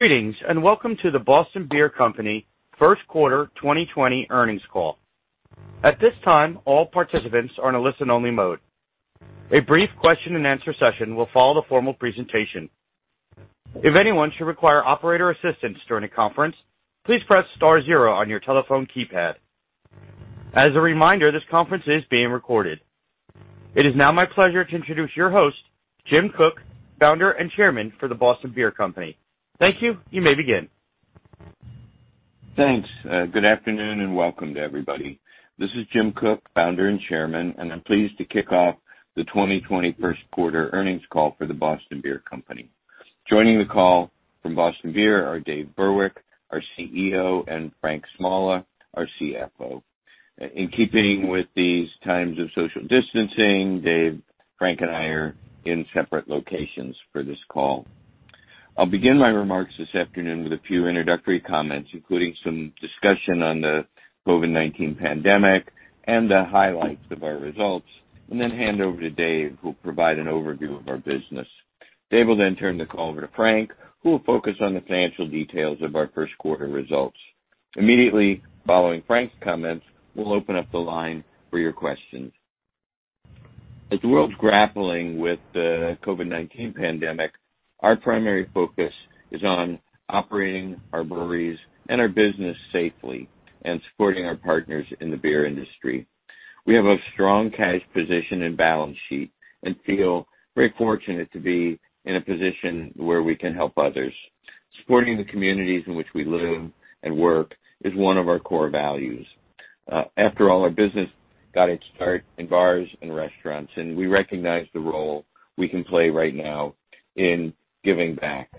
Greetings and welcome to the Boston Beer Company first quarter 2020 earnings call. At this time, all participants are in a listen-only mode. A brief question-and-answer session will follow the formal presentation. If anyone should require operator assistance during the conference, please press star zero on your telephone keypad. As a reminder, this conference is being recorded. It is now my pleasure to introduce your host, Jim Koch, Founder and Chairman for the Boston Beer Company. Thank you. You may begin. Thanks. Good afternoon and welcome to everybody. This is Jim Koch, founder and chairman, and I'm pleased to kick off the 2020 first quarter earnings call for the Boston Beer Company. Joining the call from Boston Beer are Dave Burwick, our CEO, and Frank Smalla, our CFO. In keeping with these times of social distancing, Dave, Frank and I are in separate locations for this call. I'll begin my remarks this afternoon with a few introductory comments, including some discussion on the COVID-19 pandemic and the highlights of our results, and then hand over to Dave, who will provide an overview of our business. Dave will then turn the call over to Frank, who will focus on the financial details of our first quarter results. Immediately following Frank's comments, we'll open up the line for your questions. As the world's grappling with the COVID-19 pandemic, our primary focus is on operating our breweries and our business safely and supporting our partners in the beer industry. We have a strong cash position and balance sheet and feel very fortunate to be in a position where we can help others. Supporting the communities in which we live and work is one of our core values. After all, our business got its start in bars and restaurants, and we recognize the role we can play right now in giving back.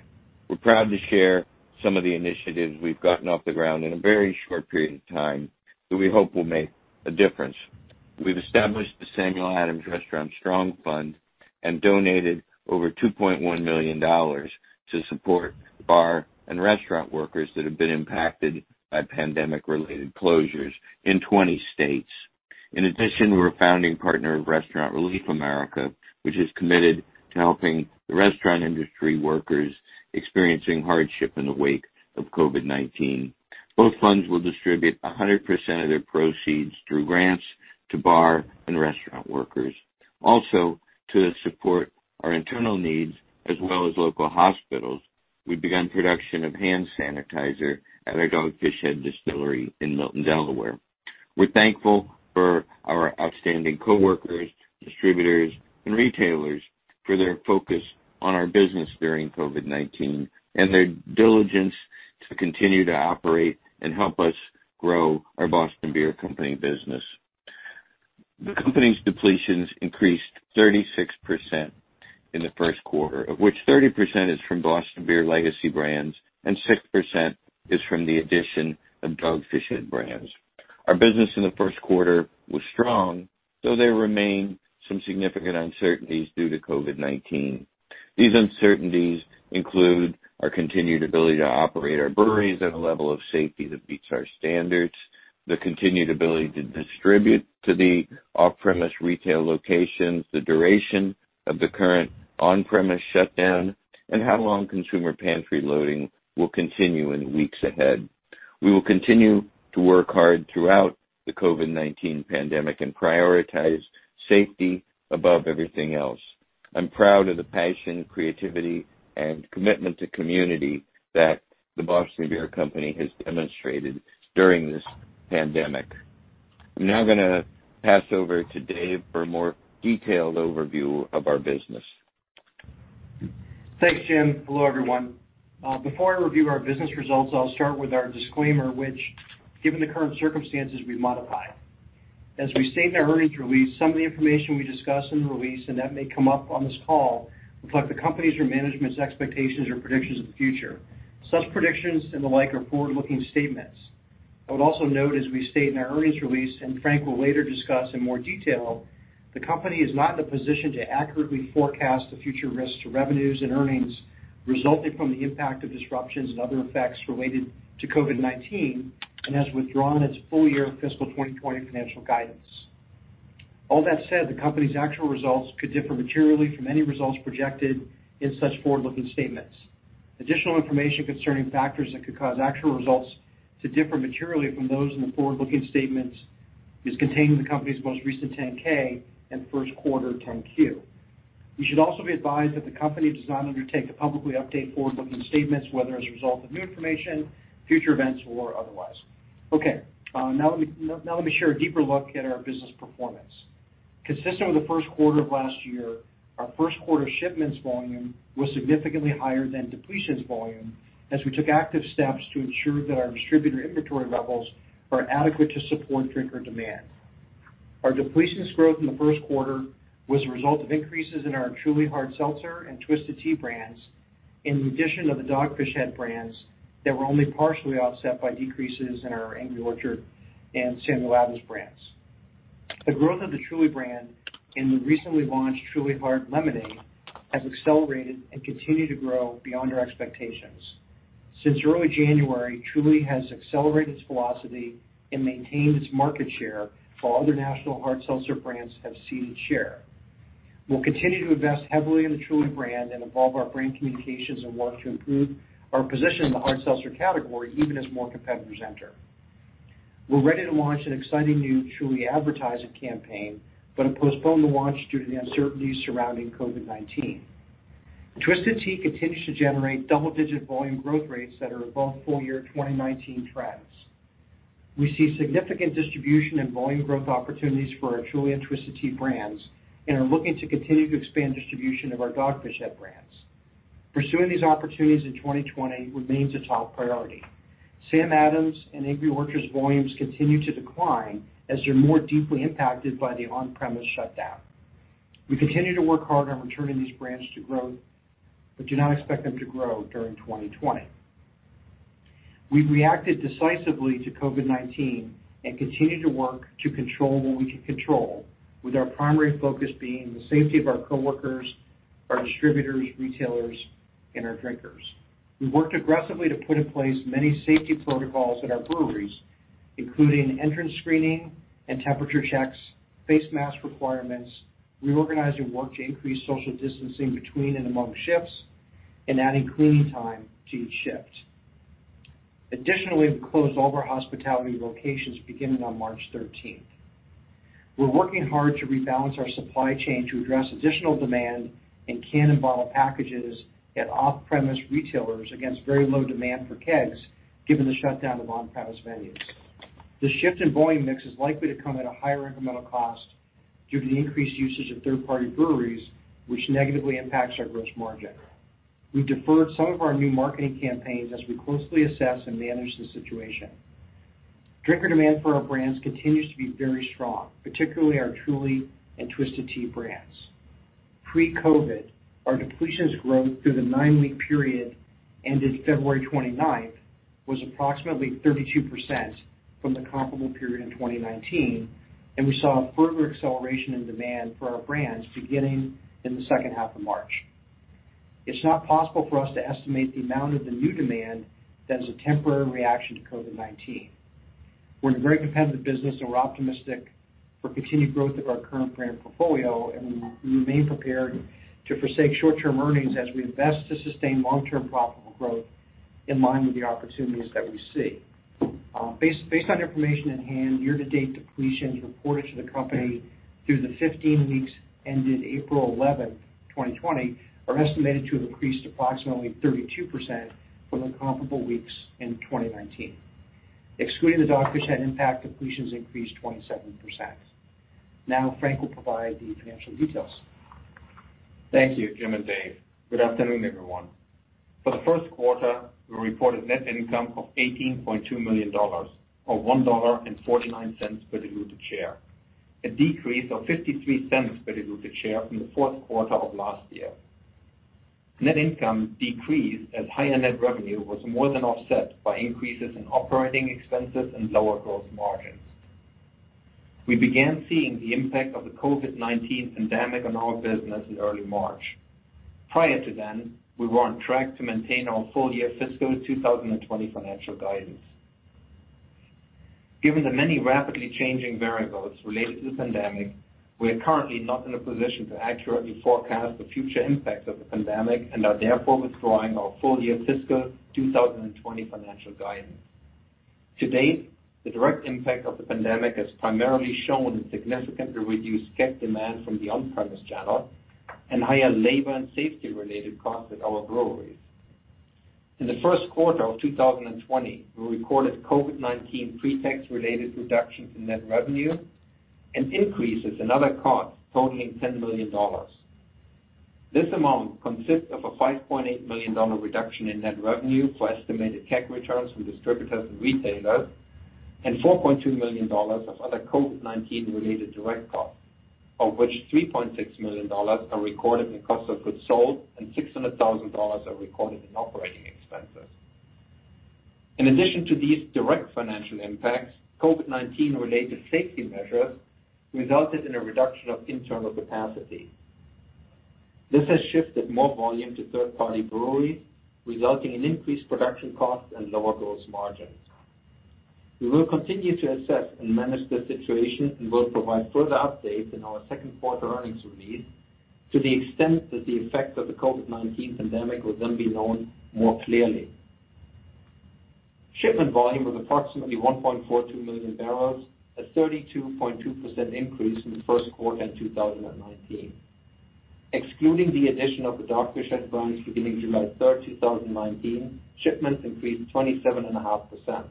We're proud to share some of the initiatives we've gotten off the ground in a very short period of time that we hope will make a difference. We've established the Samuel Adams Restaurant Strong Fund and donated over $2.1 million to support bar and restaurant workers that have been impacted by pandemic-related closures in 20 states. In addition, we're a founding partner of Restaurant Relief America, which is committed to helping the restaurant industry workers experiencing hardship in the wake of COVID-19. Both funds will distribute 100% of their proceeds through grants to bar and restaurant workers. Also, to support our internal needs as well as local hospitals, we began production of hand sanitizer at our Dogfish Head Distillery in Milton, Delaware. We're thankful for our outstanding coworkers, distributors, and retailers for their focus on our business during COVID-19 and their diligence to continue to operate and help us grow our Boston Beer Company business. The company's depletions increased 36% in the first quarter, of which 30% is from Boston Beer legacy brands and 6% is from the addition of Dogfish Head brands. Our business in the first quarter was strong, though there remained some significant uncertainties due to COVID-19. These uncertainties include our continued ability to operate our breweries at a level of safety that meets our standards, the continued ability to distribute to the off-premise retail locations, the duration of the current on-premise shutdown, and how long consumer pantry loading will continue in the weeks ahead. We will continue to work hard throughout the COVID-19 pandemic and prioritize safety above everything else. I'm proud of the passion, creativity, and commitment to community that the Boston Beer Company has demonstrated during this pandemic. I'm now going to pass over to Dave for a more detailed overview of our business. Thanks, Jim. Hello, everyone. Before I review our business results, I'll start with our disclaimer, which, given the current circumstances, we've modified. As we state in our earnings release, some of the information we discuss in the release and that may come up on this call reflect the company's or management's expectations or predictions of the future. Such predictions and the like are forward-looking statements. I would also note, as we state in our earnings release, and Frank will later discuss in more detail, the company is not in a position to accurately forecast the future risks to revenues and earnings resulting from the impact of disruptions and other effects related to COVID-19 and has withdrawn its full-year fiscal 2020 financial guidance. All that said, the company's actual results could differ materially from any results projected in such forward-looking statements. Additional information concerning factors that could cause actual results to differ materially from those in the forward-looking statements is contained in the company's most recent 10-K and first quarter 10-Q. You should also be advised that the company does not undertake to publicly update forward-looking statements, whether as a result of new information, future events, or otherwise. Okay. Now let me share a deeper look at our business performance. Consistent with the first quarter of last year, our first quarter shipments volume was significantly higher than depletions volume as we took active steps to ensure that our distributor inventory levels are adequate to support greater demand. Our depletions growth in the first quarter was a result of increases in our Truly Hard Seltzer and Twisted Tea brands, in addition to the Dogfish Head brands that were only partially offset by decreases in our Angry Orchard and Samuel Adams brands. The growth of the Truly brand and the recently launched Truly Hard Lemonade has accelerated and continued to grow beyond our expectations. Since early January, Truly has accelerated its velocity and maintained its market share, while other national hard seltzer brands have ceded share. We'll continue to invest heavily in the Truly brand and evolve our brand communications and work to improve our position in the hard seltzer category even as more competitors enter. We're ready to launch an exciting new Truly advertising campaign, but have postponed the launch due to the uncertainties surrounding COVID-19. Twisted Tea continues to generate double-digit volume growth rates that are above full-year 2019 trends. We see significant distribution and volume growth opportunities for our Truly and Twisted Tea brands and are looking to continue to expand distribution of our Dogfish Head brands. Pursuing these opportunities in 2020 remains a top priority. Sam Adams and Angry Orchard's volumes continue to decline as they're more deeply impacted by the on-premise shutdown. We continue to work hard on returning these brands to growth, but do not expect them to grow during 2020. We've reacted decisively to COVID-19 and continue to work to control what we can control, with our primary focus being the safety of our coworkers, our distributors, retailers, and our drinkers. We've worked aggressively to put in place many safety protocols at our breweries, including entrance screening and temperature checks, face mask requirements, reorganizing work to increase social distancing between and among shifts, and adding cleaning time to each shift. Additionally, we closed all of our hospitality locations beginning on March 13th. We're working hard to rebalance our supply chain to address additional demand in can and bottle packages at off-premise retailers against very low demand for kegs given the shutdown of on-premise venues. The shift in product mix is likely to come at a higher incremental cost due to the increased usage of third-party breweries, which negatively impacts our gross margin. We've deferred some of our new marketing campaigns as we closely assess and manage the situation. Drinker demand for our brands continues to be very strong, particularly our Truly and Twisted Tea brands. Pre-COVID, our depletions growth through the nine-week period ended February 29th was approximately 32% from the comparable period in 2019, and we saw a further acceleration in demand for our brands beginning in the second half of March. It's not possible for us to estimate the amount of the new demand that is a temporary reaction to COVID-19. We're in a very competitive business, and we're optimistic for continued growth of our current brand portfolio, and we remain prepared to forsake short-term earnings as we invest to sustain long-term profitable growth in line with the opportunities that we see. Based on information at hand, year-to-date depletions reported to the company through the 15 weeks ended April 11th, 2020, are estimated to have increased approximately 32% from the comparable weeks in 2019. Excluding the Dogfish Head impact, depletions increased 27%. Now, Frank will provide the financial details. Thank you, Jim and Dave. Good afternoon, everyone. For the first quarter, we reported net income of $18.2 million, or $1.49 per diluted share, a decrease of $0.53 per diluted share from the fourth quarter of last year. Net income decreased as higher net revenue was more than offset by increases in operating expenses and lower gross margins. We began seeing the impact of the COVID-19 pandemic on our business in early March. Prior to then, we were on track to maintain our full-year fiscal 2020 financial guidance. Given the many rapidly changing variables related to the pandemic, we are currently not in a position to accurately forecast the future impact of the pandemic and are therefore withdrawing our full-year fiscal 2020 financial guidance. To date, the direct impact of the pandemic has primarily shown a significantly reduced keg demand from the on-premise channel and higher labor and safety-related costs at our breweries. In the first quarter of 2020, we recorded COVID-19 pretax-related reductions in net revenue and increases in other costs totaling $10 million. This amount consists of a $5.8 million reduction in net revenue for estimated keg returns from distributors and retailers and $4.2 million of other COVID-19-related direct costs, of which $3.6 million are recorded in cost of goods sold and $600,000 are recorded in operating expenses. In addition to these direct financial impacts, COVID-19-related safety measures resulted in a reduction of internal capacity. This has shifted more volume to third-party breweries, resulting in increased production costs and lower gross margins. We will continue to assess and manage the situation and will provide further updates in our second quarter earnings release to the extent that the effects of the COVID-19 pandemic will then be known more clearly. Shipment volume was approximately 1.42 million barrels, a 32.2% increase from the first quarter in 2019. Excluding the addition of the Dogfish Head brands beginning July 3rd, 2019, shipments increased 27.5%.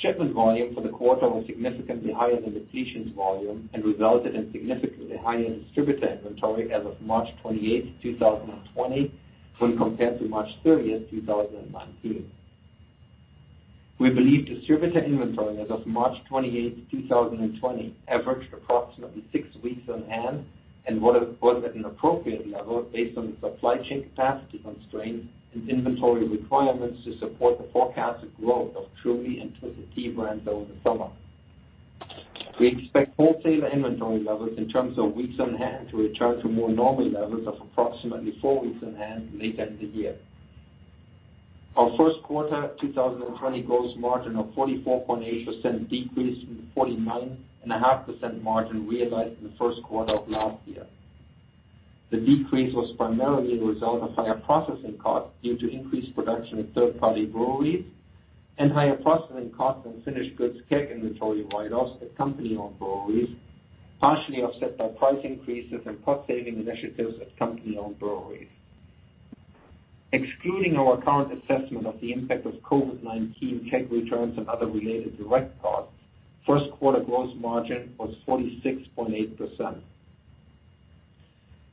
Shipment volume for the quarter was significantly higher than depletions volume and resulted in significantly higher distributor inventory as of March 28th, 2020, when compared to March 30th, 2019. We believe distributor inventory as of March 28th, 2020, averaged approximately six weeks on hand and was at an appropriate level based on the supply chain capacity constraints and inventory requirements to support the forecasted growth of Truly and Twisted Tea brands over the summer. We expect wholesale inventory levels in terms of weeks on hand to return to more normal levels of approximately four weeks on hand later in the year. Our first quarter 2020 gross margin of 44.8% decreased from the 49.5% margin realized in the first quarter of last year. The decrease was primarily a result of higher processing costs due to increased production at third-party breweries and higher processing costs and finished goods keg inventory write-offs at company-owned breweries, partially offset by price increases and cost-saving initiatives at company-owned breweries. Excluding our current assessment of the impact of COVID-19 keg returns and other related direct costs, first quarter gross margin was 46.8%.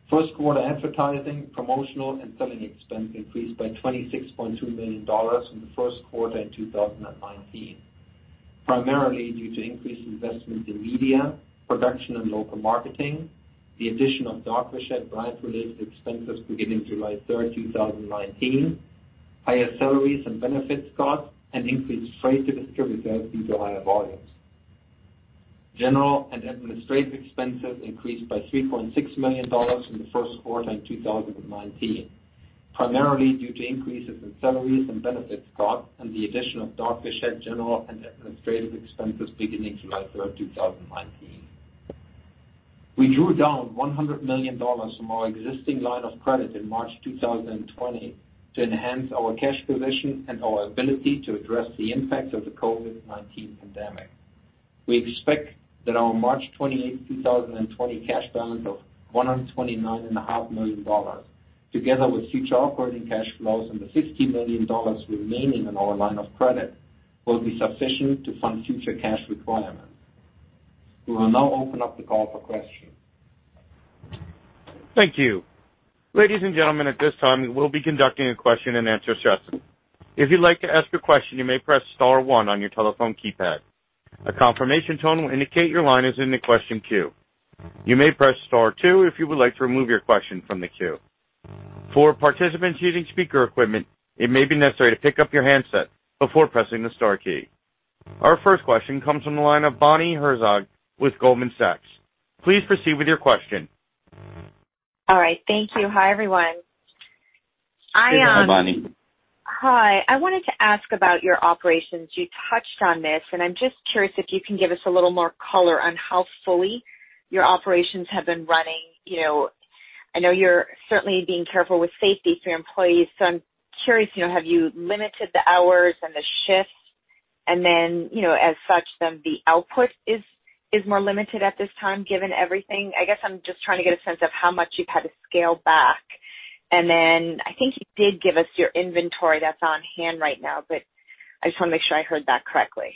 First quarter advertising, promotional, and selling expense increased by $26.2 million from the first quarter in 2019, primarily due to increased investment in media, production, and local marketing, the addition of Dogfish Head brand-related expenses beginning July 3rd, 2019, higher salaries and benefits costs, and increased freight to distributors due to higher volumes. General and administrative expenses increased by $3.6 million from the first quarter in 2019, primarily due to increases in salaries and benefits costs and the addition of Dogfish Head general and administrative expenses beginning July 3rd, 2019. We drew down $100 million from our existing line of credit in March 2020 to enhance our cash position and our ability to address the impacts of the COVID-19 pandemic. We expect that our March 28th, 2020, cash balance of $129.5 million, together with future operating cash flows and the $50 million remaining in our line of credit, will be sufficient to fund future cash requirements. We will now open up the call for questions. Thank you. Ladies and gentlemen, at this time, we will be conducting a question-and-answer session. If you'd like to ask a question, you may press Star one on your telephone keypad. A confirmation tone will indicate your line is in the question queue. You may press Star two if you would like to remove your question from the queue. For participants using speaker equipment, it may be necessary to pick up your handset before pressing the Star key. Our first question comes from the line of Bonnie Herzog with Goldman Sachs. Please proceed with your question. All right. Thank you. Hi, everyone. Hi, Bonnie. Hi. I wanted to ask about your operations. You touched on this, and I'm just curious if you can give us a little more color on how fully your operations have been running. I know you're certainly being careful with safety for your employees, so I'm curious, have you limited the hours and the shifts? And then, as such, the output is more limited at this time given everything? I guess I'm just trying to get a sense of how much you've had to scale back. And then I think you did give us your inventory that's on hand right now, but I just want to make sure I heard that correctly.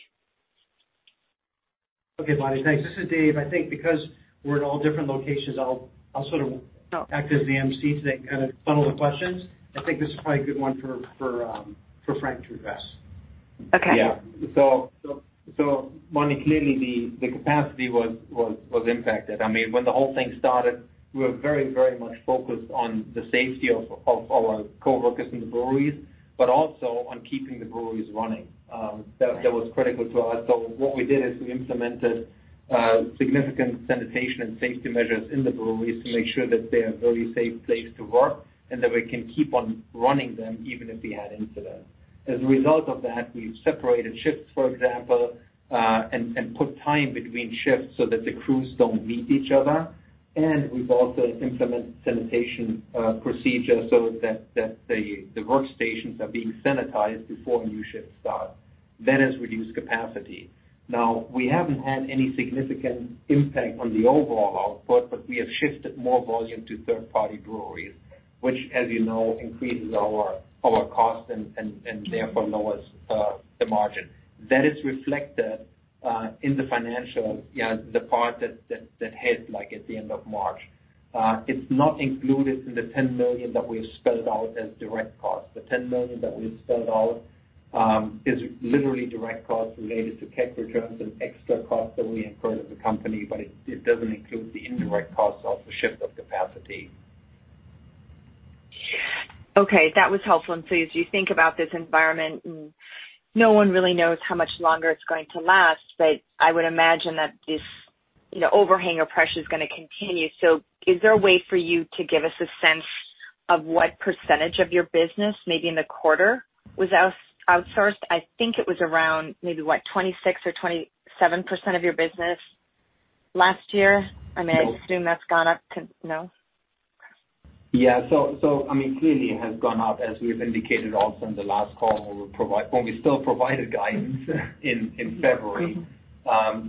Okay, Bonnie. Thanks. This is Dave. I think because we're in all different locations, I'll sort of act as the emcee today and kind of funnel the questions. I think this is probably a good one for Frank to address. Okay. Yeah. So Bonnie, clearly, the capacity was impacted. I mean, when the whole thing started, we were very, very much focused on the safety of our coworkers in the breweries, but also on keeping the breweries running. That was critical to us. So what we did is we implemented significant sanitation and safety measures in the breweries to make sure that they're a very safe place to work and that we can keep on running them even if we had incidents. As a result of that, we've separated shifts, for example, and put time between shifts so that the crews don't meet each other. And we've also implemented sanitation procedures so that the workstations are being sanitized before a new shift starts. That has reduced capacity. Now, we haven't had any significant impact on the overall output, but we have shifted more volume to third-party breweries, which, as you know, increases our cost and therefore lowers the margin. That is reflected in the financials, the part that hit at the end of March. It's not included in the $10 million that we have spelled out as direct costs. The $10 million that we have spelled out is literally direct costs related to keg returns and extra costs that we incurred as a company, but it doesn't include the indirect costs of the shift of capacity. Okay. That was helpful. And so as you think about this environment, no one really knows how much longer it's going to last, but I would imagine that this overhang of pressure is going to continue. So is there a way for you to give us a sense of what percentage of your business, maybe in the quarter, was outsourced? I think it was around maybe, what, 26% or 27% of your business last year. I mean, I assume that's gone up to no? Yeah. So I mean, clearly, it has gone up as we've indicated also in the last call when we still provided guidance in February.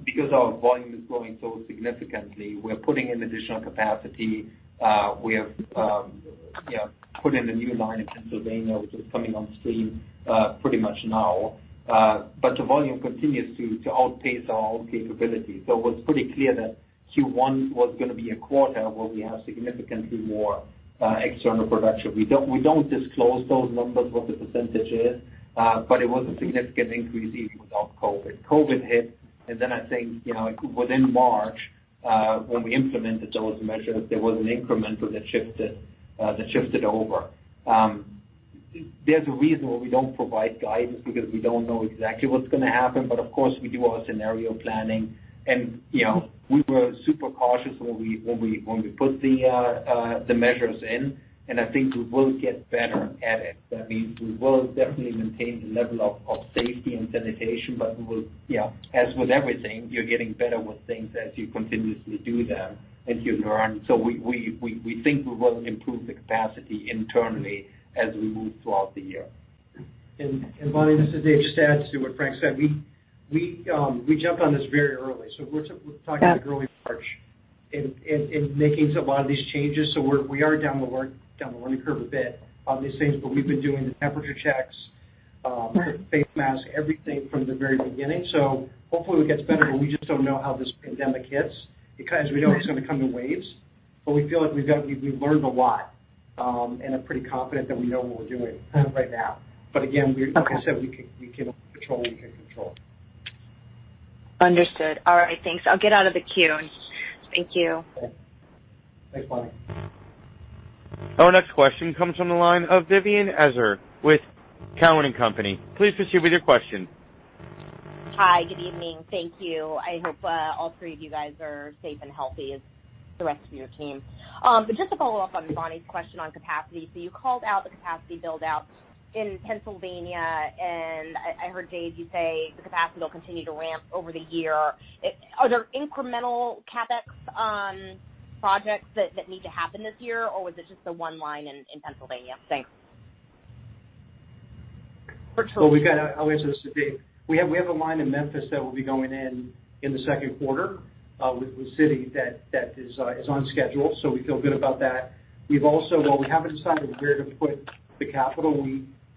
Because our volume is growing so significantly, we're putting in additional capacity. We have put in a new line in Pennsylvania, which is coming on stream pretty much now. But the volume continues to outpace our own capability. So it was pretty clear that Q1 was going to be a quarter where we have significantly more external production. We don't disclose those numbers, what the percentage is, but it was a significant increase even without COVID. COVID hit, and then I think within March, when we implemented those measures, there was an increment that shifted over. There's a reason why we don't provide guidance because we don't know exactly what's going to happen, but of course, we do our scenario planning, and we were super cautious when we put the measures in, and I think we will get better at it. That means we will definitely maintain the level of safety and sanitation, but we will, as with everything, you're getting better with things as you continuously do them and you learn. So we think we will improve the capacity internally as we move throughout the year. And Bonnie, this is Dave. Just to add to what Frank said, we jumped on this very early. So we're talking about early March in making a lot of these changes. So we are down the learning curve a bit on these things, but we've been doing the temperature checks, the face masks, everything from the very beginning. So hopefully, it gets better, but we just don't know how this pandemic hits because we know it's going to come in waves. But we feel like we've learned a lot, and I'm pretty confident that we know what we're doing right now. But again, like I said, we can only control what we can control. Understood. All right. Thanks. I'll get out of the queue. Thank you. Okay. Thanks, Bonnie. Our next question comes from the line of Vivien Azer with Cowen and Company. Please proceed with your question. Hi. Good evening. Thank you. I hope all three of you guys are safe and healthy, as the rest of your team. But just to follow up on Bonnie's question on capacity, so you called out the capacity build-out in Pennsylvania, and I heard Dave, you say the capacity will continue to ramp over the year. Are there incremental CapEx projects that need to happen this year, or was it just the one line in Pennsylvania? Thanks. I'll answer this to Dave. We have a line in Memphis that will be going in in the second quarter with City that is on schedule, so we feel good about that. We haven't decided where to put the capital.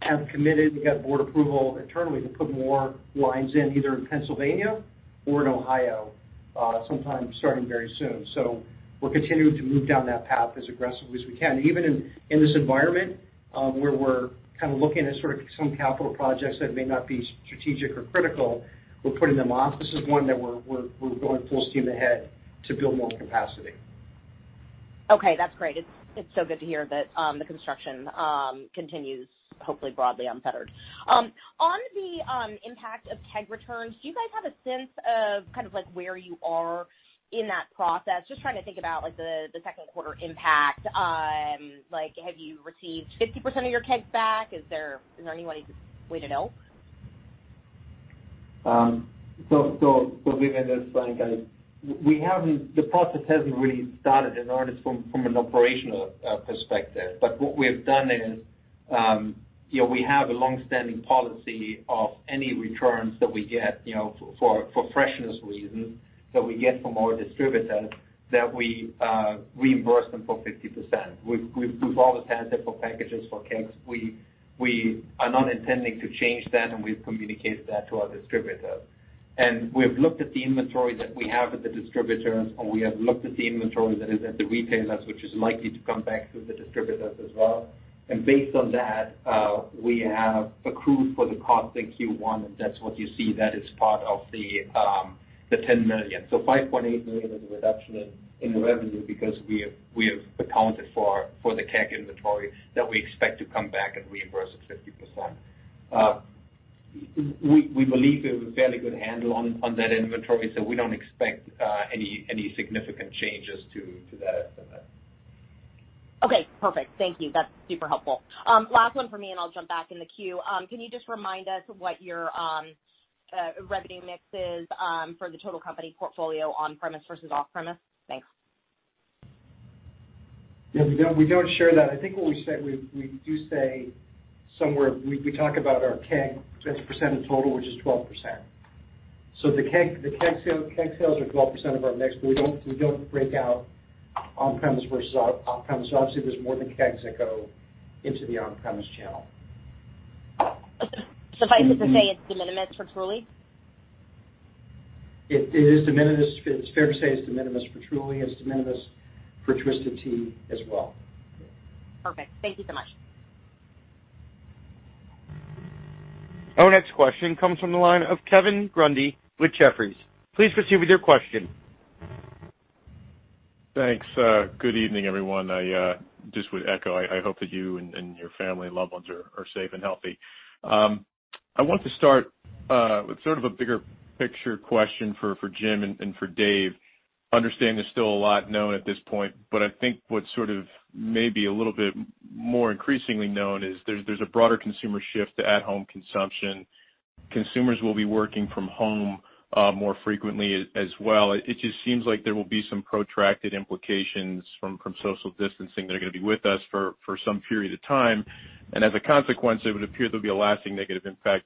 We have committed. We got board approval internally to put more lines in either in Pennsylvania or in Ohio, sometime starting very soon. We're continuing to move down that path as aggressively as we can. Even in this environment where we're kind of looking at sort of some capital projects that may not be strategic or critical, we're putting them off. This is one that we're going full steam ahead to build more capacity. Okay. That's great. It's so good to hear that the construction continues, hopefully, broadly unfettered. On the impact of keg returns, do you guys have a sense of kind of where you are in that process? Just trying to think about the second quarter impact. Have you received 50% of your kegs back? Is there any way to know? Vivien is saying we haven't. The process hasn't really started in order from an operational perspective. But what we have done is we have a long-standing policy of any returns that we get for freshness reasons from our distributors, that we reimburse them for 50%. We've always had different packages for kegs. We are not intending to change that, and we've communicated that to our distributors. And we have looked at the inventory that we have at the distributors, and we have looked at the inventory that is at the retailers, which is likely to come back to the distributors as well. And based on that, we have accrued for the cost in Q1, and that's what you see. That is part of the $10 million. $5.8 million is a reduction in revenue because we have accounted for the keg inventory that we expect to come back and reimburse at 50%. We believe we have a fairly good handle on that inventory, so we don't expect any significant changes to that estimate. Okay. Perfect. Thank you. That's super helpful. Last one for me, and I'll jump back in the queue. Can you just remind us what your revenue mix is for the total company portfolio on-premise versus off-premise? Thanks. Yeah. We don't share that. I think what we say we do say somewhere we talk about our keg as a percent of total, which is 12%. So the keg sales are 12% of our mix, but we don't break out on-premise versus off-premise. Obviously, there's more than kegs that go into the on-premise channel. Suffice it to say it's de minimis for Truly? It is de minimis. It's fair to say it's de minimis for Truly. It's de minimis for Twisted Tea as well. Perfect. Thank you so much. Our next question comes from the line of Kevin Grundy with Jefferies. Please proceed with your question. Thanks. Good evening, everyone. I just would echo. I hope that you and your family and loved ones are safe and healthy. I want to start with sort of a bigger picture question for Jim and for Dave. Understand there's still a lot known at this point, but I think what's sort of maybe a little bit more increasingly known is there's a broader consumer shift to at-home consumption. Consumers will be working from home more frequently as well. It just seems like there will be some protracted implications from social distancing that are going to be with us for some period of time, and as a consequence, it would appear there'll be a lasting negative impact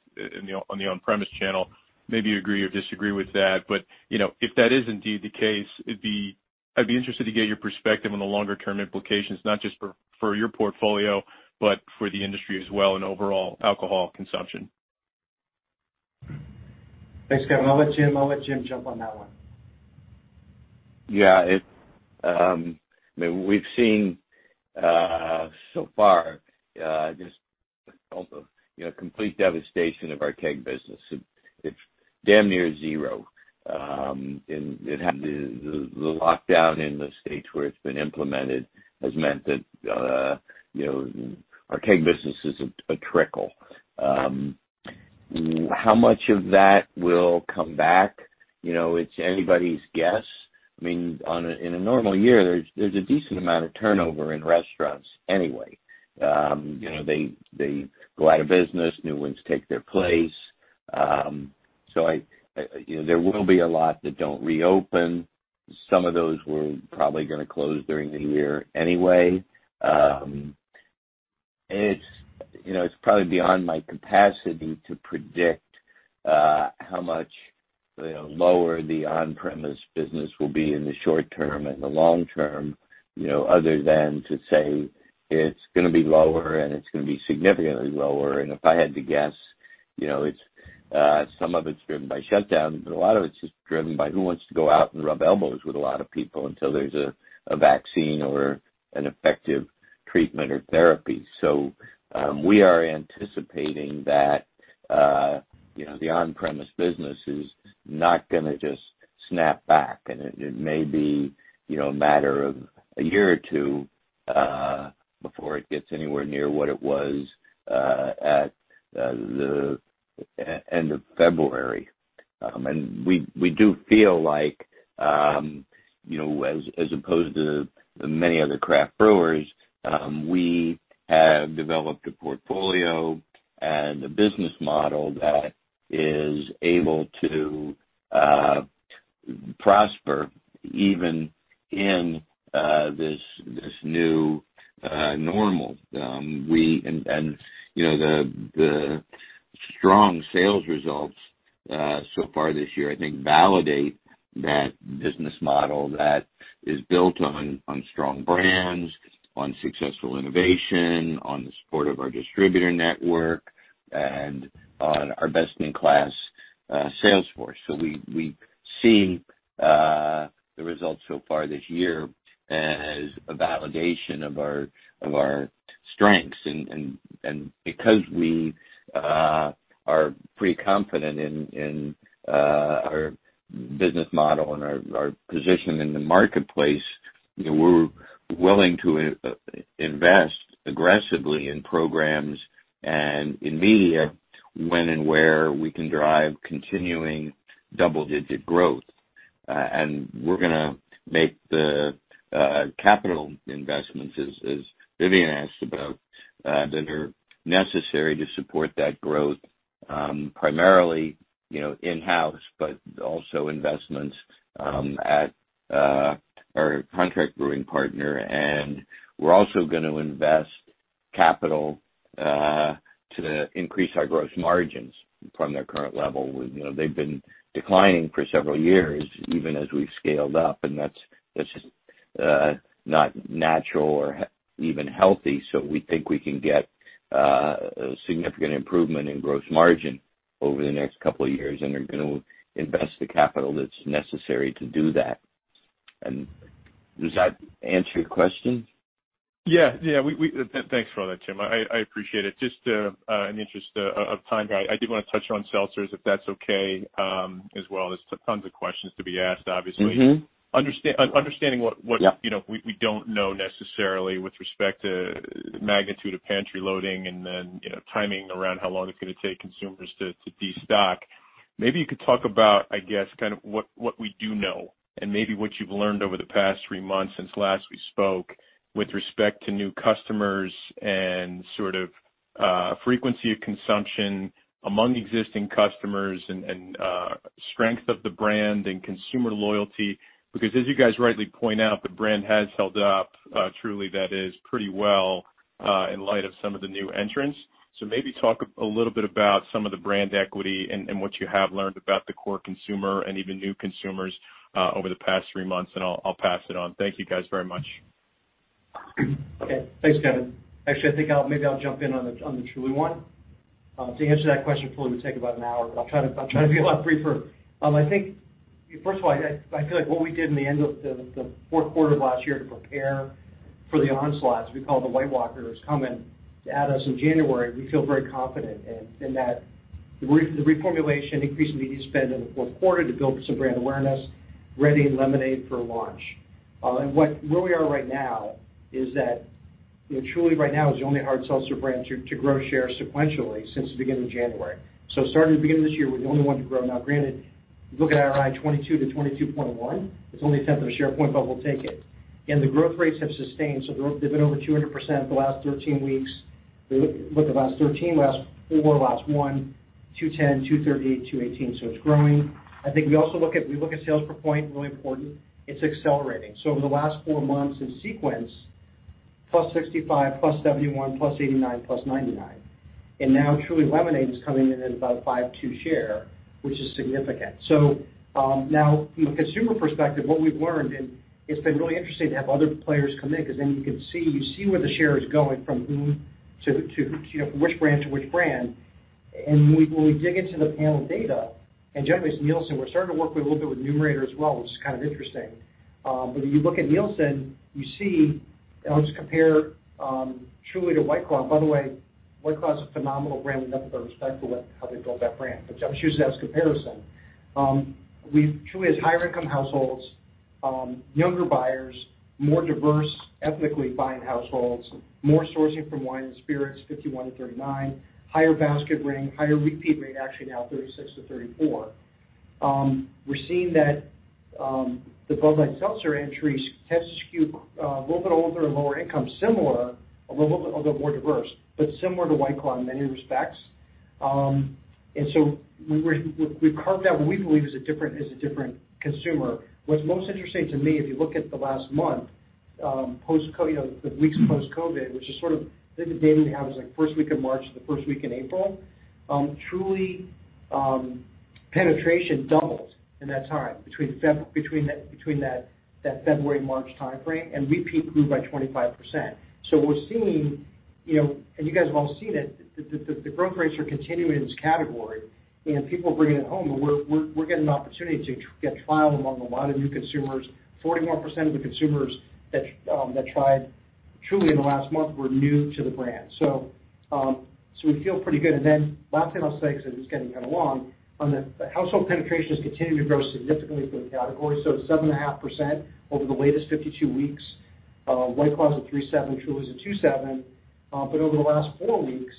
on the on-premise channel. Maybe you agree or disagree with that, but if that is indeed the case, I'd be interested to get your perspective on the longer-term implications, not just for your portfolio, but for the industry as well and overall alcohol consumption. Thanks, Kevin. I'll let Jim jump on that one. Yeah. I mean, we've seen so far just a complete devastation of our keg business. It's damn near zero. The lockdown in the states where it's been implemented has meant that our keg business is a trickle. How much of that will come back? It's anybody's guess. I mean, in a normal year, there's a decent amount of turnover in restaurants anyway. They go out of business. New ones take their place. There will be a lot that don't reopen. Some of those were probably going to close during the year anyway. It's probably beyond my capacity to predict how much lower the on-premise business will be in the short term and the long term other than to say it's going to be lower and it's going to be significantly lower. And if I had to guess, some of it's driven by shutdown, but a lot of it's just driven by who wants to go out and rub elbows with a lot of people until there's a vaccine or an effective treatment or therapy. So we are anticipating that the on-premise business is not going to just snap back, and it may be a matter of a year or two before it gets anywhere near what it was at the end of February. And we do feel like, as opposed to many other craft brewers, we have developed a portfolio and a business model that is able to prosper even in this new normal. And the strong sales results so far this year, I think, validate that business model that is built on strong brands, on successful innovation, on the support of our distributor network, and on our best-in-class sales force. So we see the results so far this year as a validation of our strengths. And because we are pretty confident in our business model and our position in the marketplace, we're willing to invest aggressively in programs and in media when and where we can drive continuing double-digit growth. And we're going to make the capital investments, as Vivien asked about, that are necessary to support that growth, primarily in-house, but also investments at our contract brewing partner. And we're also going to invest capital to increase our gross margins from their current level. They've been declining for several years, even as we've scaled up, and that's just not natural or even healthy. So we think we can get a significant improvement in gross margin over the next couple of years and are going to invest the capital that's necessary to do that. And does that answer your question? Yeah. Yeah. Thanks for all that, Jim. I appreciate it. Just in the interest of time, I did want to touch on seltzers, if that's okay, as well. There's tons of questions to be asked, obviously. Understanding what we don't know necessarily with respect to the magnitude of pantry loading and then timing around how long it's going to take consumers to destock, maybe you could talk about, I guess, kind of what we do know and maybe what you've learned over the past three months since last we spoke with respect to new customers and sort of frequency of consumption among existing customers and strength of the brand and consumer loyalty. Because as you guys rightly point out, the brand has held up, Truly, that is, pretty well in light of some of the new entrants. So maybe talk a little bit about some of the brand equity and what you have learned about the core consumer and even new consumers over the past three months, and I'll pass it on. Thank you, guys, very much. Okay. Thanks, Kevin. Actually, I think maybe I'll jump in on the Truly one. To answer that question fully, it would take about an hour, but I'll try to be a lot briefer. I think, first of all, I feel like what we did in the end of the fourth quarter of last year to prepare for the onslaught, as we call it, the White Claw come in at us in January. We feel very confident in that the reformulation, increase in media spend in the fourth quarter to build some brand awareness, Truly and lemonade for launch. And where we are right now is that Truly right now is the only hard seltzer brand to grow share sequentially since the beginning of January. So starting at the beginning of this year, we're the only one to grow. Now, granted, look at our IRI 22 to 22.1. It's only a tenth of a share point, but we'll take it. And the growth rates have sustained. So they've been over 200% the last 13 weeks. Look at the last 13, last four, last one, 210%, 238%, 218%. So it's growing. I think we also look at sales per point, really important. It's accelerating. So over the last four months in sequence, plus 65%, plus 71%, plus 89%, plus 99%. And now Truly Lemonade is coming in at about a 5.2% share, which is significant. So now, from a consumer perspective, what we've learned, and it's been really interesting to have other players come in because then you can see where the share is going from whom to which brand to which brand. And when we dig into the panel data, and generally, it's Nielsen. We're starting to work a little bit with Numerator as well, which is kind of interesting. But when you look at Nielsen, you see I'll just compare Truly to White Claw. By the way, White Claw is a phenomenal brand. We've got to put our respect for how they built that brand. But I'm just using that as a comparison. We've Truly has higher-income households, younger buyers, more diverse ethnically buying households, more sourcing from wine and spirits, 51%-39%, higher basket rate, higher repeat rate, actually now 36%-34%. We're seeing that the Budweiser entries tend to skew a little bit older and lower income, similar, a little bit more diverse, but similar to White Claw in many respects. And so we've carved out what we believe is a different consumer. What's most interesting to me, if you look at the last month, the weeks post-COVID, which is sort of I think the data we have is like first week of March to the first week in April, Truly penetration doubled in that time between that February-March timeframe and repeat grew by 25%. So we're seeing, and you guys have all seen it, that the growth rates are continuing in this category, and people are bringing it home. We're getting an opportunity to get trial among a lot of new consumers. 41% of the consumers that tried Truly in the last month were new to the brand. We feel pretty good. Then last thing I'll say, because it's getting kind of long, the household penetration is continuing to grow significantly for the category. It's 7.5% over the latest 52 weeks. White Claw is at 3.7, Truly is at 2.7. But over the last four weeks,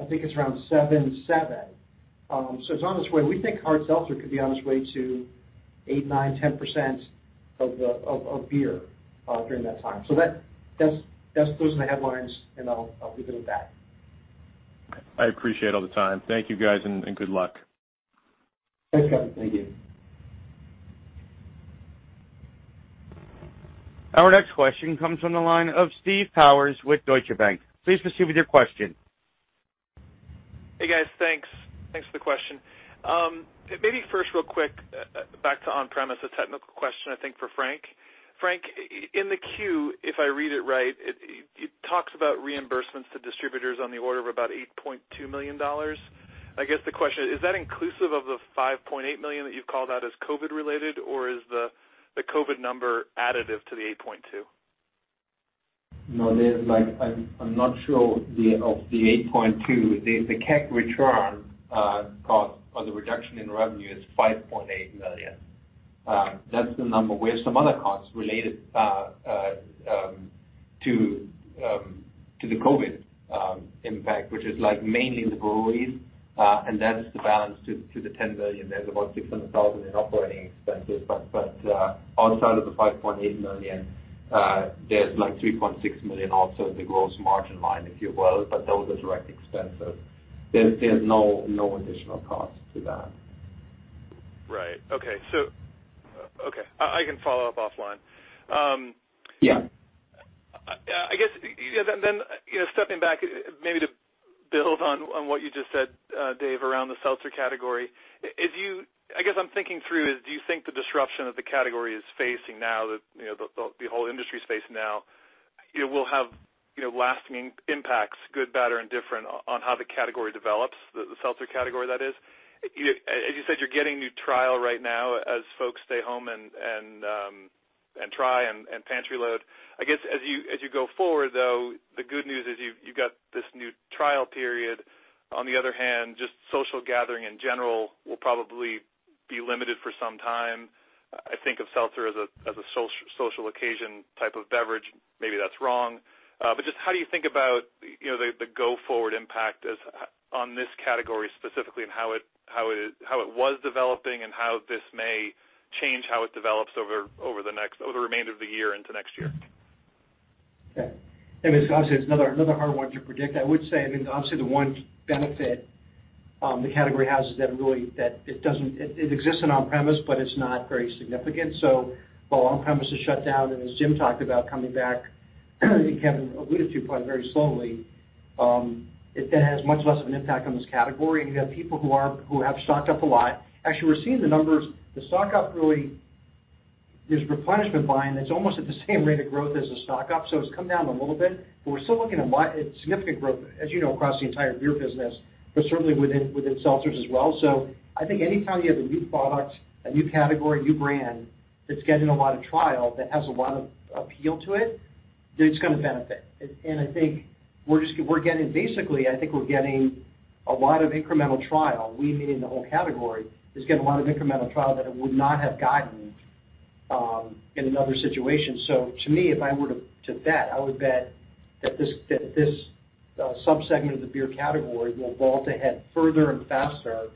I think it's around 7.7. So it's on its way. We think hard seltzer could be on its way to 8, 9, 10% of beer during that time. So those are the headlines, and I'll leave it at that. I appreciate all the time. Thank you, guys, and good luck. Thanks, Kevin. Thank you. Our next question comes from the line of Steve Powers with Deutsche Bank. Please proceed with your question. Hey, guys. Thanks. Thanks for the question. Maybe first, real quick, back to on-premise, a technical question, I think, for Frank. Frank, in the queue, if I read it right, it talks about reimbursements to distributors on the order of about $8.2 million. I guess the question is, is that inclusive of the $5.8 million that you've called out as COVID-related, or is the COVID number additive to the $8.2 million? No, I'm not sure of the $8.2 million. The keg return cost or the reduction in revenue is $5.8 million. That's the number. We have some other costs related to the COVID impact, which is mainly the breweries, and that's the balance to the $10 million. There's about $600,000 in operating expenses. But outside of the $5.8 million, there's like $3.6 million also in the gross margin line, if you will, but those are direct expenses. There's no additional cost to that. Right. Okay. Okay. I can follow up offline. Yeah. I guess, yeah, then stepping back, maybe to build on what you just said, Dave, around the seltzer category, I guess I'm thinking through is, do you think the disruption that the category is facing now, that the whole industry is facing now, will have lasting impacts, good, bad, or indifferent, on how the category develops, the seltzer category, that is? As you said, you're getting new trial right now as folks stay home and try and pantry load. I guess as you go forward, though, the good news is you've got this new trial period. On the other hand, just social gathering in general will probably be limited for some time. I think of seltzer as a social occasion type of beverage. Maybe that's wrong. Just how do you think about the go-forward impact on this category specifically and how it was developing and how this may change how it develops over the remainder of the year into next year? Okay, and it's obviously another hard one to predict. I would say, I mean, obviously, the one benefit the category has is that it exists in on-premise, but it's not very significant, so while on-premise is shut down, and as Jim talked about coming back, and Kevin alluded to, probably very slowly, it then has much less of an impact on this category, and you have people who have stocked up a lot. Actually, we're seeing the numbers. The stock-up really is replenishment buying. It's almost at the same rate of growth as the stock-up, so it's come down a little bit, but we're still looking at significant growth, as you know, across the entire beer business, but certainly within seltzers as well. So I think anytime you have a new product, a new category, a new brand that's getting a lot of trial that has a lot of appeal to it, it's going to benefit. And I think we're getting basically, I think we're getting a lot of incremental trial, we meaning the whole category, is getting a lot of incremental trial that it would not have gotten in another situation. So to me, if I were to bet, I would bet that this subsegment of the beer category will vault ahead further and faster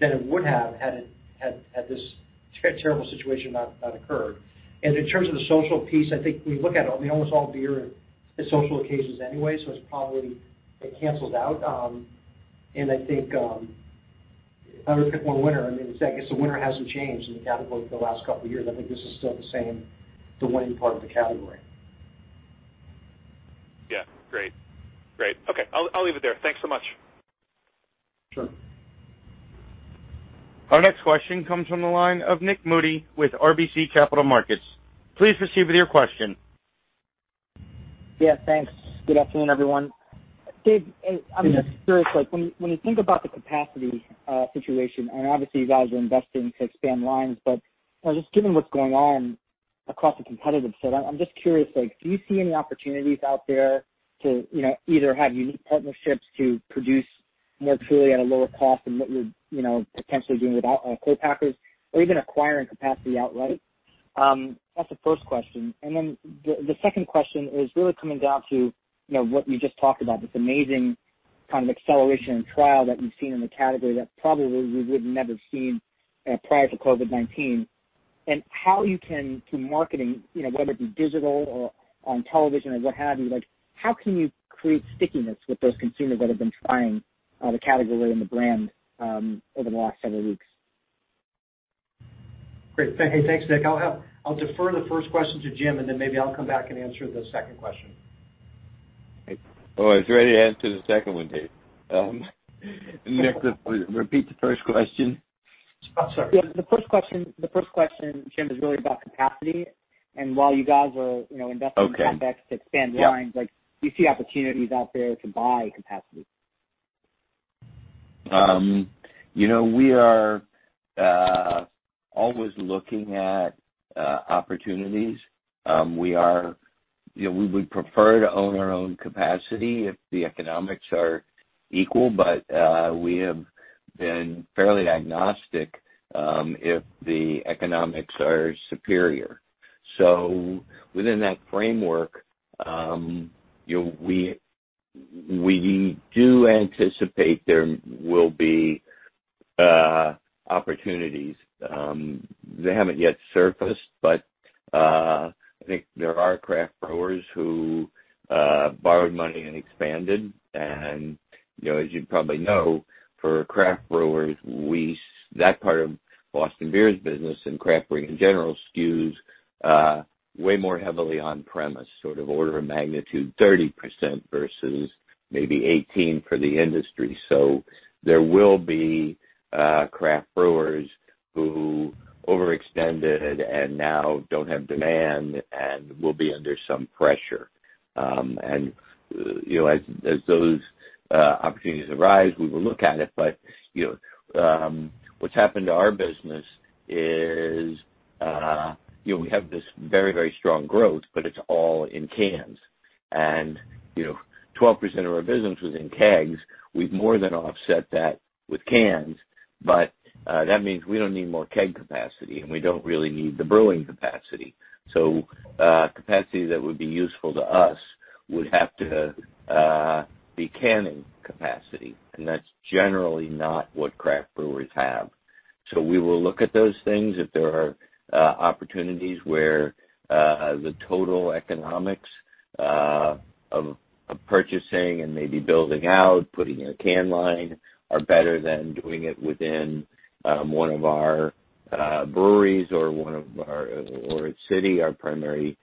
than it would have had this terrible situation not occurred. And in terms of the social piece, I think when you look at it, I mean, almost all beer is social occasions anyway, so it's probably it cancels out. I think if I were to pick one winner, I mean, I guess the winner hasn't changed in the category for the last couple of years. I think this is still the same, the winning part of the category. Yeah. Great. Great. Okay. I'll leave it there. Thanks so much. Sure. Our next question comes from the line of Nik Modi with RBC Capital Markets. Please proceed with your question. Yeah. Thanks. Good afternoon, everyone. Dave, I'm just curious, when you think about the capacity situation, and obviously, you guys are investing to expand lines, but just given what's going on across the competitive side, I'm just curious, do you see any opportunities out there to either have unique partnerships to produce more Truly at a lower cost than what you're potentially doing with co-packers, or even acquiring capacity outright? That's the first question. And then the second question is really coming down to what you just talked about, this amazing kind of acceleration and trial that you've seen in the category that probably we wouldn't have never seen prior to COVID-19, and how you can, through marketing, whether it be digital or on television or what have you, how can you create stickiness with those consumers that have been trying the category and the brand over the last several weeks? Great. Thanks, Nick. I'll defer the first question to Jim, and then maybe I'll come back and answer the second question. Oh, I was ready to answer the second one, Dave. Nick, repeat the first question. I'm sorry. The first question, Jim, is really about capacity. While you guys are investing in CapEx to expand lines, do you see opportunities out there to buy capacity? We are always looking at opportunities. We would prefer to own our own capacity if the economics are equal, but we have been fairly agnostic if the economics are superior, so within that framework, we do anticipate there will be opportunities. They haven't yet surfaced, but I think there are craft brewers who borrowed money and expanded, and as you probably know, for craft brewers, that part of Boston Beer's business and craft brewing in general skews way more heavily on-premise, sort of order of magnitude 30% versus maybe 18% for the industry, so there will be craft brewers who overextended and now don't have demand and will be under some pressure, and as those opportunities arise, we will look at it, but what's happened to our business is we have this very, very strong growth, but it's all in cans, and 12% of our business was in kegs. We've more than offset that with cans, but that means we don't need more keg capacity, and we don't really need the brewing capacity. So capacity that would be useful to us would have to be canning capacity, and that's generally not what craft brewers have. So we will look at those things if there are opportunities where the total economics of purchasing and maybe building out, putting in a can line, are better than doing it within one of our breweries or at City, our primary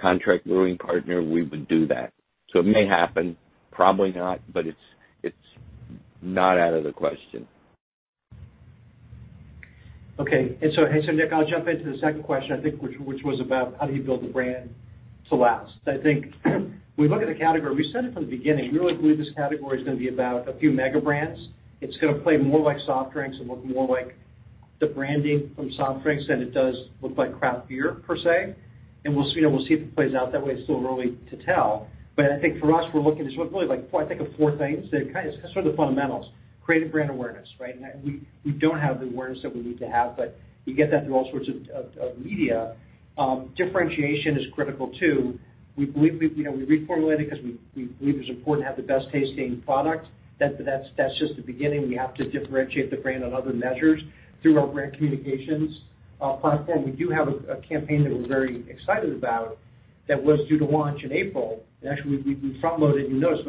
contract brewing partner, we would do that. So it may happen, probably not, but it's not out of the question. Okay. And so, Nick, I'll jump into the second question, I think, which was about how do you build a brand to last. I think when we look at the category, we said it from the beginning, we really believe this category is going to be about a few mega brands. It's going to play more like soft drinks and look more like the branding from soft drinks than it does look like craft beer per se. And we'll see if it plays out that way. It's still early to tell. But I think for us, we're looking at really like, I think, four things. It's sort of the fundamentals. Creative brand awareness, right? And we don't have the awareness that we need to have, but you get that through all sorts of media. Differentiation is critical too. We reformulated because we believe it's important to have the best tasting product. That's just the beginning. We have to differentiate the brand on other measures through our brand communications platform. We do have a campaign that we're very excited about that was due to launch in April. And actually, we front-loaded new notes.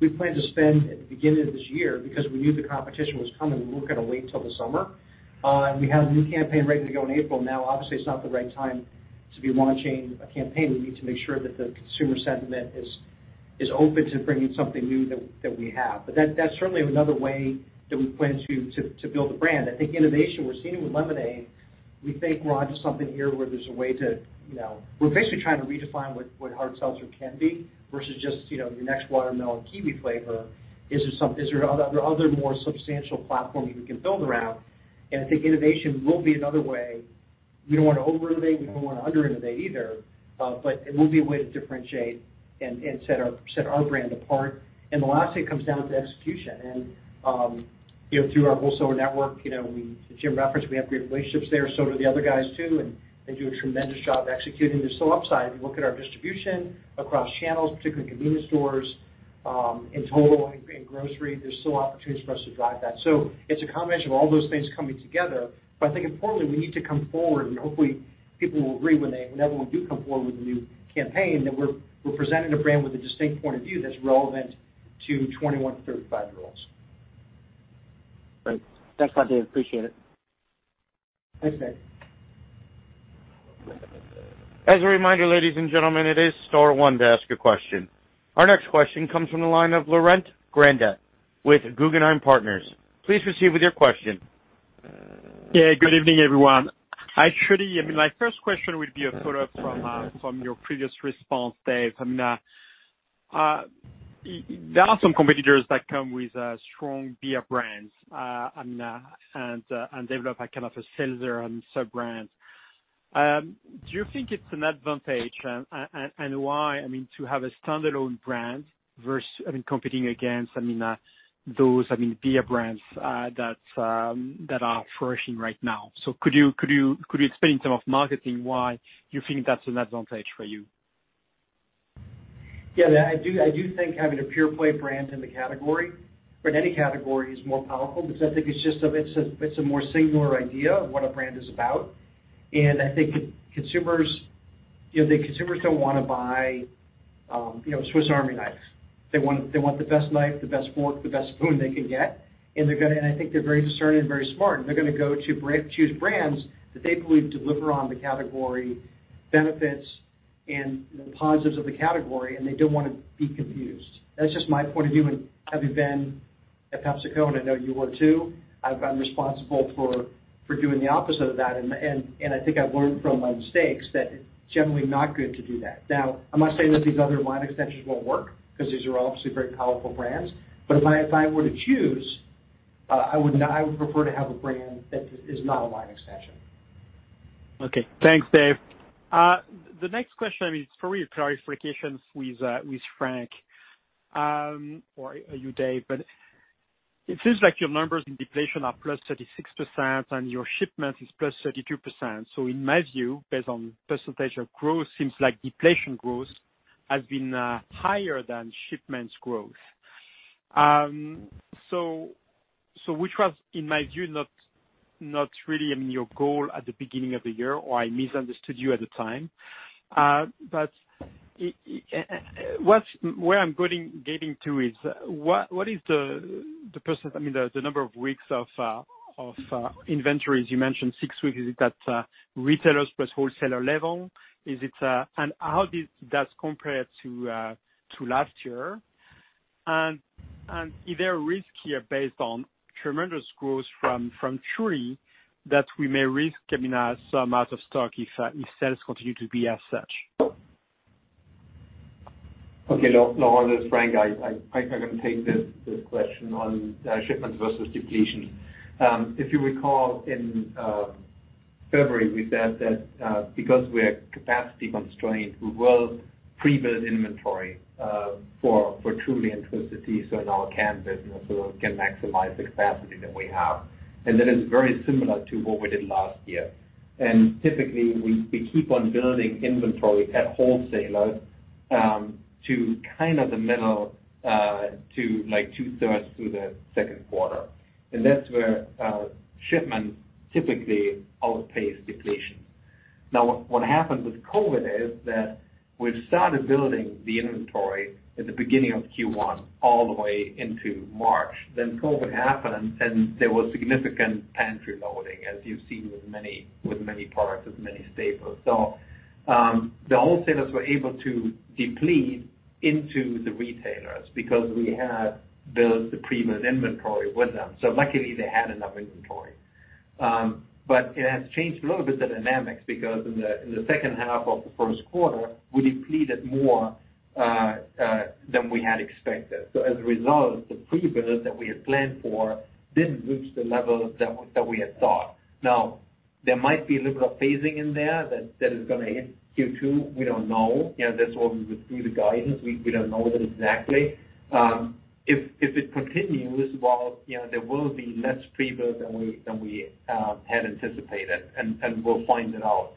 We planned to spend at the beginning of this year because we knew the competition was coming. We weren't going to wait until the summer. And we have a new campaign ready to go in April. Now, obviously, it's not the right time to be launching a campaign. We need to make sure that the consumer sentiment is open to bringing something new that we have. But that's certainly another way that we plan to build a brand. I think innovation, we're seeing it with lemonade. We think we're onto something here where there's a way to. We're basically trying to redefine what hard seltzer can be versus just your next watermelon kiwi flavor. Is there other more substantial platforms we can build around, and I think innovation will be another way. We don't want to overinnovate. We don't want to underinnovate either, but it will be a way to differentiate and set our brand apart. And the last thing comes down to execution, and through our wholesale network Jim referenced, we have great relationships there. So do the other guys too, and they do a tremendous job executing. There's still upside if you look at our distribution across channels, particularly convenience stores, in total, in grocery. There's still opportunities for us to drive that. So it's a combination of all those things coming together. But I think importantly, we need to come forward, and hopefully, people will agree whenever we do come forward with a new campaign that we're presenting a brand with a distinct point of view that's relevant to 21 to 35-year-olds. Thanks, Dave. Appreciate it. Thanks, Dave. As a reminder, ladies and gentlemen, it is star one to ask a question. Our next question comes from the line of Laurent Grandet with Guggenheim Partners. Please proceed with your question. Yeah. Good evening, everyone. Actually, I mean, my first question would be a follow-up from your previous response, Dave. I mean, there are some competitors that come with strong beer brands and develop a kind of a seltzer sub-brand. Do you think it's an advantage and why, I mean, to have a standalone brand versus, I mean, competing against, I mean, those, I mean, beer brands that are flourishing right now? So could you explain in terms of marketing why you think that's an advantage for you? Yeah. I do think having a pure-play brand in the category, or in any category, is more powerful because I think it's a more singular idea of what a brand is about. And I think the consumers don't want to buy Swiss Army knives. They want the best knife, the best fork, the best spoon they can get. And I think they're very discerning and very smart. And they're going to go to choose brands that they believe deliver on the category benefits and the positives of the category, and they don't want to be confused. That's just my point of view, and having been at PepsiCo, and I know you were too, I'm responsible for doing the opposite of that. And I think I've learned from my mistakes that it's generally not good to do that. Now, I'm not saying that these other line extensions won't work because these are obviously very powerful brands. But if I were to choose, I would prefer to have a brand that is not a line extension. Okay. Thanks, Dave. The next question, I mean, it's for you, clarification with Frank or you, Dave. But it seems like your numbers in depletions are plus 36%, and your shipments are plus 32%. So in my view, based on percentage of growth, it seems like depletions growth has been higher than shipment growth. So which was, in my view, not really, I mean, your goal at the beginning of the year, or I misunderstood you at the time. But where I'm getting to is, what is the percent, I mean, the number of weeks of inventories? You mentioned six weeks. Is it at retailers plus wholesaler level? And how does that compare to last year? And is there a risk here based on tremendous growth from Truly that we may risk, I mean, some out of stock if sales continue to be as such? Okay. Laurent and Frank, I'm going to take this question on shipments versus depletion. If you recall, in February, we said that because we are capacity constrained, we will pre-build inventory for Truly Twisted Tea in our can business so that we can maximize the capacity that we have. And that is very similar to what we did last year. And typically, we keep on building inventory at wholesaler to kind of the middle, to like two-thirds through the second quarter. And that's where shipments typically outpace depletion. Now, what happened with COVID is that we've started building the inventory at the beginning of Q1 all the way into March. Then COVID happened, and there was significant pantry loading, as you've seen with many products, with many staples. So the wholesalers were able to deplete into the retailers because we had built the pre-built inventory with them. So luckily, they had enough inventory. But it has changed a little bit the dynamics because in the second half of the first quarter, we depleted more than we had expected. So as a result, the pre-build that we had planned for didn't reach the level that we had thought. Now, there might be a little bit of phasing in there that is going to hit Q2. We don't know. That's what we would do the guidance. We don't know that exactly. If it continues, well, there will be less pre-build than we had anticipated, and we'll find it out.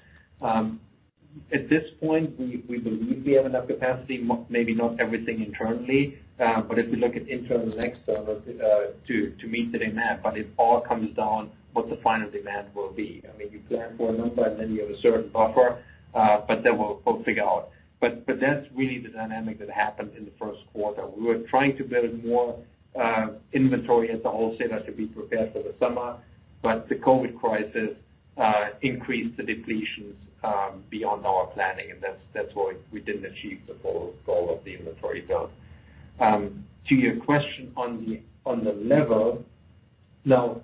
At this point, we believe we have enough capacity. Maybe not everything internally, but if we look at internal and external to meet the demand, but it all comes down to what the final demand will be. I mean, you plan for a number, and then you have a certain buffer, but then we'll figure out, but that's really the dynamic that happened in the first quarter. We were trying to build more inventory at the wholesaler to be prepared for the summer, but the COVID crisis increased the depletions beyond our planning, and that's why we didn't achieve the goal of the inventory build. To your question on the level, now,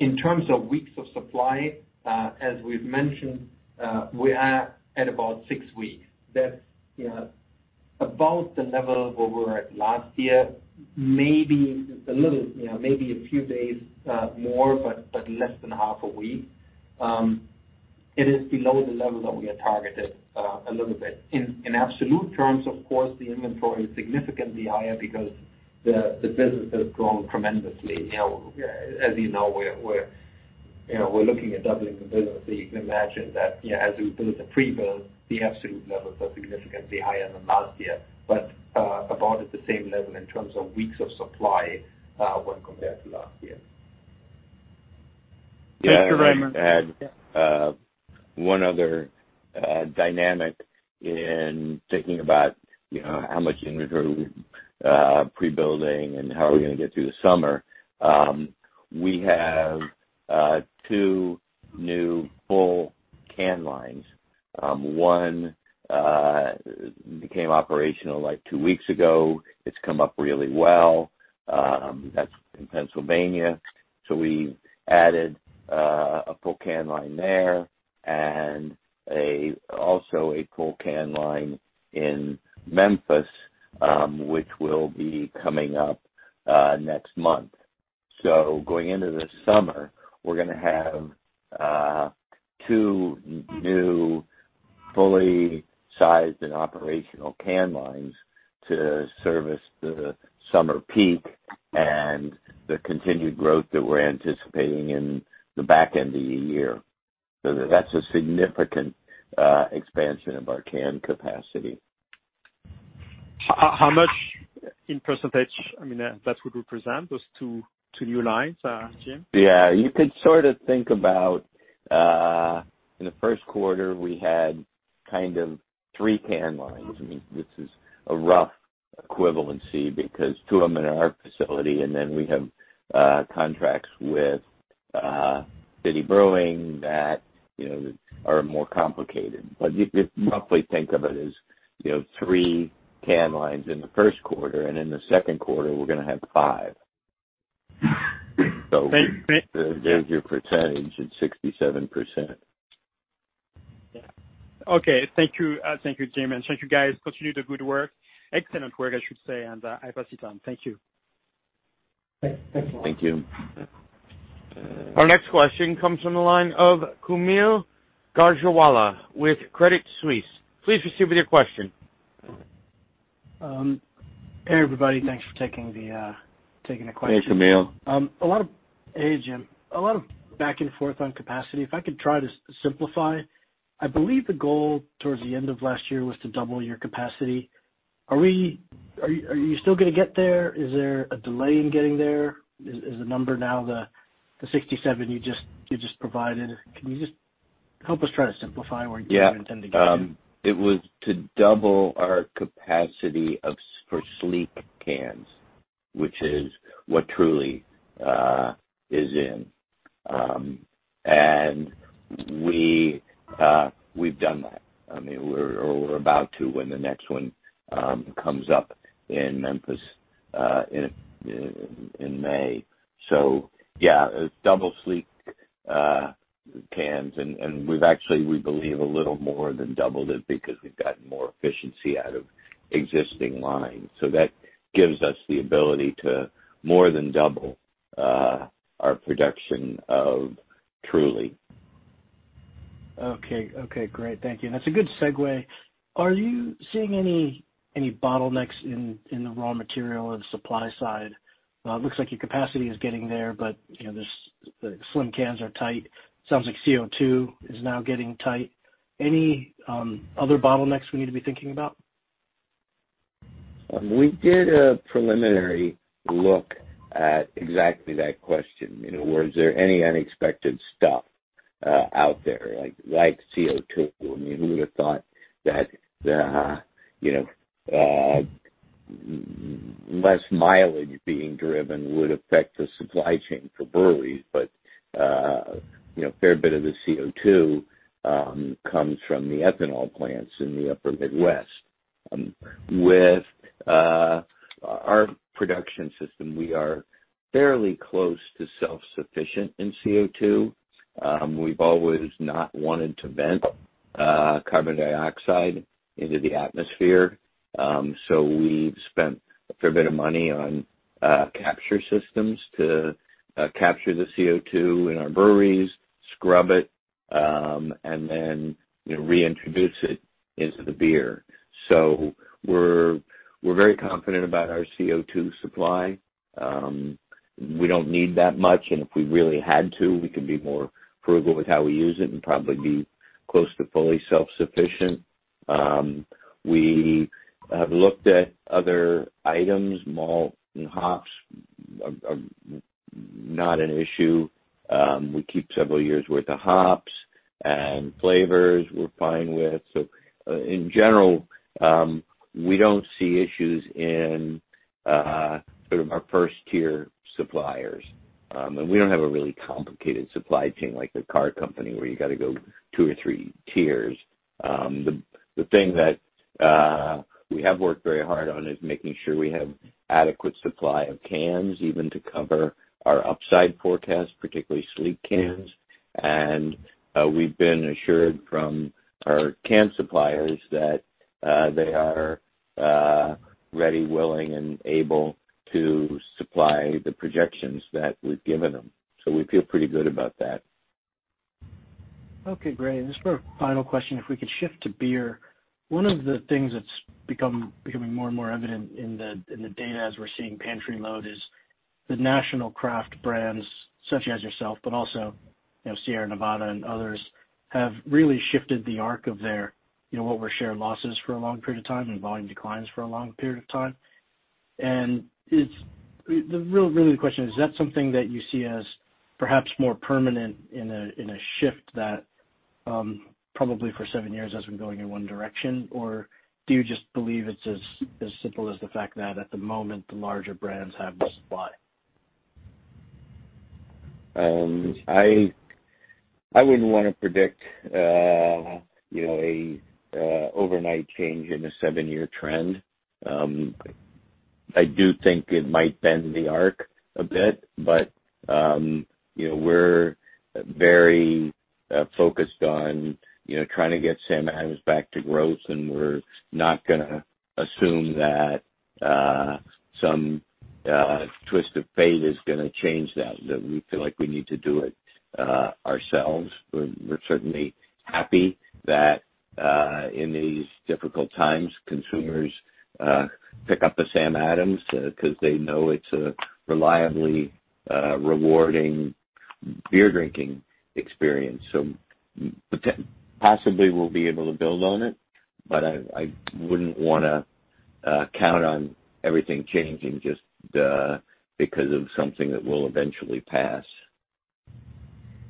in terms of weeks of supply, as we've mentioned, we are at about six weeks. That's about the level where we were at last year, maybe a little, maybe a few days more, but less than half a week. It is below the level that we had targeted a little bit. In absolute terms, of course, the inventory is significantly higher because the business has grown tremendously. As you know, we're looking at doubling the business. You can imagine that as we build the pre-build, the absolute levels are significantly higher than last year, but about at the same level in terms of weeks of supply when compared to last year. Thank you, Raymond. One other dynamic in thinking about how much inventory we pre-building and how are we going to get through the summer. We have two new full can lines. One became operational like two weeks ago. It's come up really well. That's in Pennsylvania. So we added a full can line there and also a full can line in Memphis, which will be coming up next month. So going into the summer, we're going to have two new fully sized and operational can lines to service the summer peak and the continued growth that we're anticipating in the back end of the year. So that's a significant expansion of our can capacity. How much in percentage, I mean, that would represent those two new lines, Jim? Yeah. You could sort of think about in the first quarter, we had kind of three can lines. I mean, this is a rough equivalency because two of them are in our facility, and then we have contracts with City Brewing that are more complicated. But you can roughly think of it as three can lines in the first quarter, and in the second quarter, we're going to have five. So there's your percentage. It's 67%. Yeah. Okay. Thank you, Jim, and thank you, guys. Continue the good work. Excellent work, I should say, and I pass it on. Thank you. Thanks. Thanks a lot. Thank you. Our next question comes from the line of Kaumil Gajrawala with Credit Suisse. Please proceed with your question. Hey, everybody. Thanks for taking the question. Hey, Kamil. Hey, Jim. A lot of back and forth on capacity. If I could try to simplify, I believe the goal towards the end of last year was to double your capacity. Are you still going to get there? Is there a delay in getting there? Is the number now the 67 you just provided? Can you just help us try to simplify where you intend to get there? It was to double our capacity for sleek cans, which is what Truly is in. And we've done that. I mean, we're about to when the next one comes up in Memphis in May. So yeah, double sleek cans. And we've actually, we believe, a little more than doubled it because we've gotten more efficiency out of existing lines. So that gives us the ability to more than double our production of Truly. Okay. Okay. Great. Thank you. That's a good segue. Are you seeing any bottlenecks in the raw material and supply side? It looks like your capacity is getting there, but the sleek cans are tight. It sounds like CO2 is now getting tight. Any other bottlenecks we need to be thinking about? We did a preliminary look at exactly that question. Was there any unexpected stuff out there like CO2? I mean, who would have thought that less mileage being driven would affect the supply chain for breweries? But a fair bit of the CO2 comes from the ethanol plants in the Upper Midwest. With our production system, we are fairly close to self-sufficient in CO2. We've always not wanted to vent carbon dioxide into the atmosphere. So we've spent a fair bit of money on capture systems to capture the CO2 in our breweries, scrub it, and then reintroduce it into the beer. So we're very confident about our CO2 supply. We don't need that much. And if we really had to, we could be more frugal with how we use it and probably be close to fully self-sufficient. We have looked at other items. Malt and hops are not an issue. We keep several years' worth of hops and flavors we're fine with, so in general, we don't see issues in sort of our first-tier suppliers, and we don't have a really complicated supply chain like the car company where you got to go two or three tiers. The thing that we have worked very hard on is making sure we have adequate supply of cans even to cover our upside forecast, particularly sleek cans, and we've been assured from our can suppliers that they are ready, willing, and able to supply the projections that we've given them, so we feel pretty good about that. Okay. Great. And just for a final question, if we could shift to beer. One of the things that's becoming more and more evident in the data as we're seeing pantry loading is the national craft brands, such as yourself, but also Sierra Nevada and others, have really shifted the arc of their what were share losses for a long period of time and volume declines for a long period of time. And really, the question is, is that something that you see as perhaps more permanent in a shift that probably for seven years has been going in one direction? Or do you just believe it's as simple as the fact that at the moment, the larger brands have the supply? I wouldn't want to predict an overnight change in a seven-year trend. I do think it might bend the arc a bit, but we're very focused on trying to get Sam Adams back to growth, and we're not going to assume that some twist of fate is going to change that. We feel like we need to do it ourselves. We're certainly happy that in these difficult times, consumers pick up a Sam Adams because they know it's a reliably rewarding beer drinking experience. So possibly, we'll be able to build on it, but I wouldn't want to count on everything changing just because of something that will eventually pass.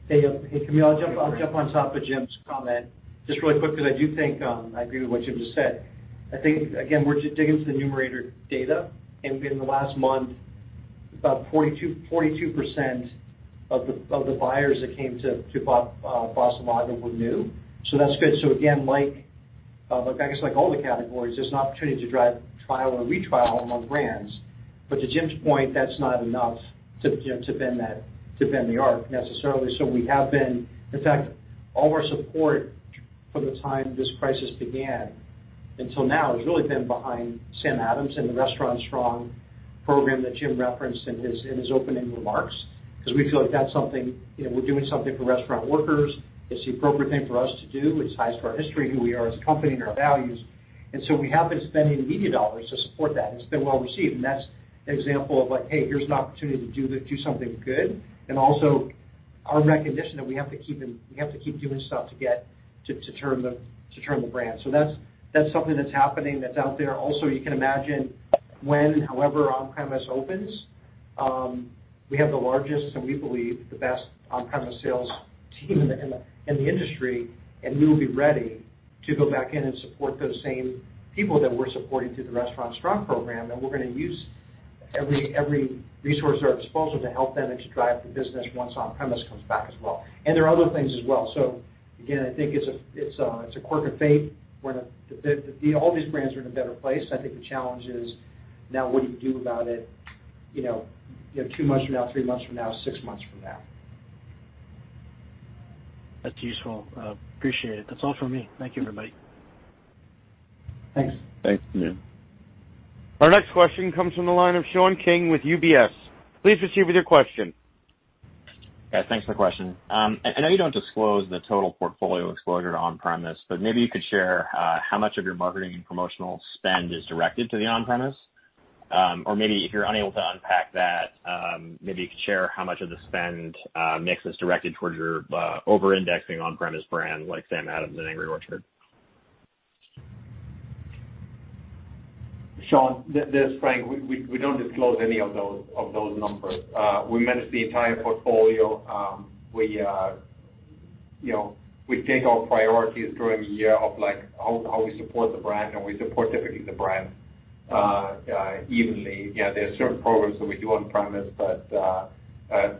Hey, Kaumil, I'll jump on top of Jim's comment just really quick because I do think I agree with what Jim just said. I think, again, we're just digging into the numerator data, and in the last month, about 42% of the buyers that came to Boston Lager were new, so that's good, so again, I guess like all the categories, there's an opportunity to drive trial or retrial among brands, but to Jim's point, that's not enough to bend the arc necessarily, so we have been, in fact, all of our support from the time this crisis began until now has really been behind Sam Adams and the Restaurant Strong program that Jim referenced in his opening remarks because we feel like that's something we're doing something for restaurant workers. It's the appropriate thing for us to do. It ties to our history, who we are as a company, and our values, and so we have been spending media dollars to support that. It's been well received, and that's an example of like, "Hey, here's an opportunity to do something good," and also our recognition that we have to keep doing stuff to turn the brand, so that's something that's happening that's out there. Also, you can imagine when, however, on-premise opens, we have the largest, and we believe, the best on-premise sales team in the industry, and we will be ready to go back in and support those same people that we're supporting through the Restaurant Strong program, and we're going to use every resource at our disposal to help them and to drive the business once on-premise comes back as well, and there are other things as well. So again, I think it's a quirk of fate. All these brands are in a better place. I think the challenge is now what do you do about it two months from now, three months from now, six months from now? That's useful. Appreciate it. That's all from me. Thank you, everybody. Thanks. Thanks, Jim. Our next question comes from the line of Sean King with UBS. Please proceed with your question. Yeah. Thanks for the question. I know you don't disclose the total portfolio exposure to on-premise, but maybe you could share how much of your marketing and promotional spend is directed to the on-premise? Or maybe if you're unable to unpack that, maybe you could share how much of the spend mix is directed towards your over-indexing on-premise brands like Sam Adams and Angry Orchard? Sean, this is Frank. We don't disclose any of those numbers. We manage the entire portfolio. We take our priorities during the year of how we support the brand, and we support typically the brand evenly. Yeah. There are certain programs that we do on-premise, but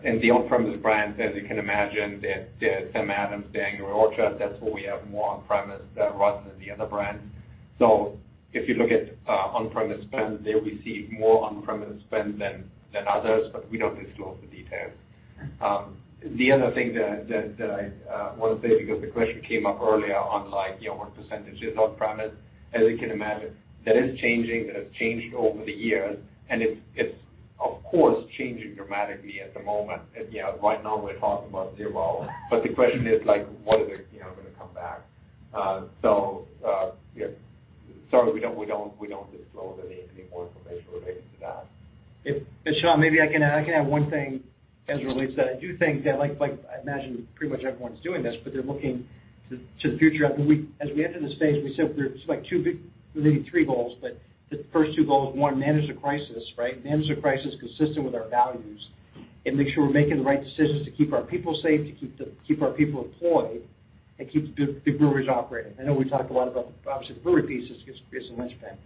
in the on-premise brand, as you can imagine, that Sam Adams, the Angry Orchard, that's where we have more on-premise rather than the other brands. So if you look at on-premise spend, they receive more on-premise spend than others, but we don't disclose the details. The other thing that I want to say because the question came up earlier on what percentage is on-premise, as you can imagine, that is changing. That has changed over the years, and it's, of course, changing dramatically at the moment. Right now, we're talking about zero, but the question is, what is it going to come back? So sorry, we don't disclose any more information related to that. Sean, maybe I can add one thing as it relates to that. I do think that, like I imagine pretty much everyone's doing this, but they're looking to the future. As we enter this phase, we said we're maybe three goals, but the first two goals, one, manage the crisis, right? Manage the crisis consistent with our values. It makes sure we're making the right decisions to keep our people safe, to keep our people employed, and keep the breweries operating. I know we talked a lot about, obviously, the brewery piece is a linchpin,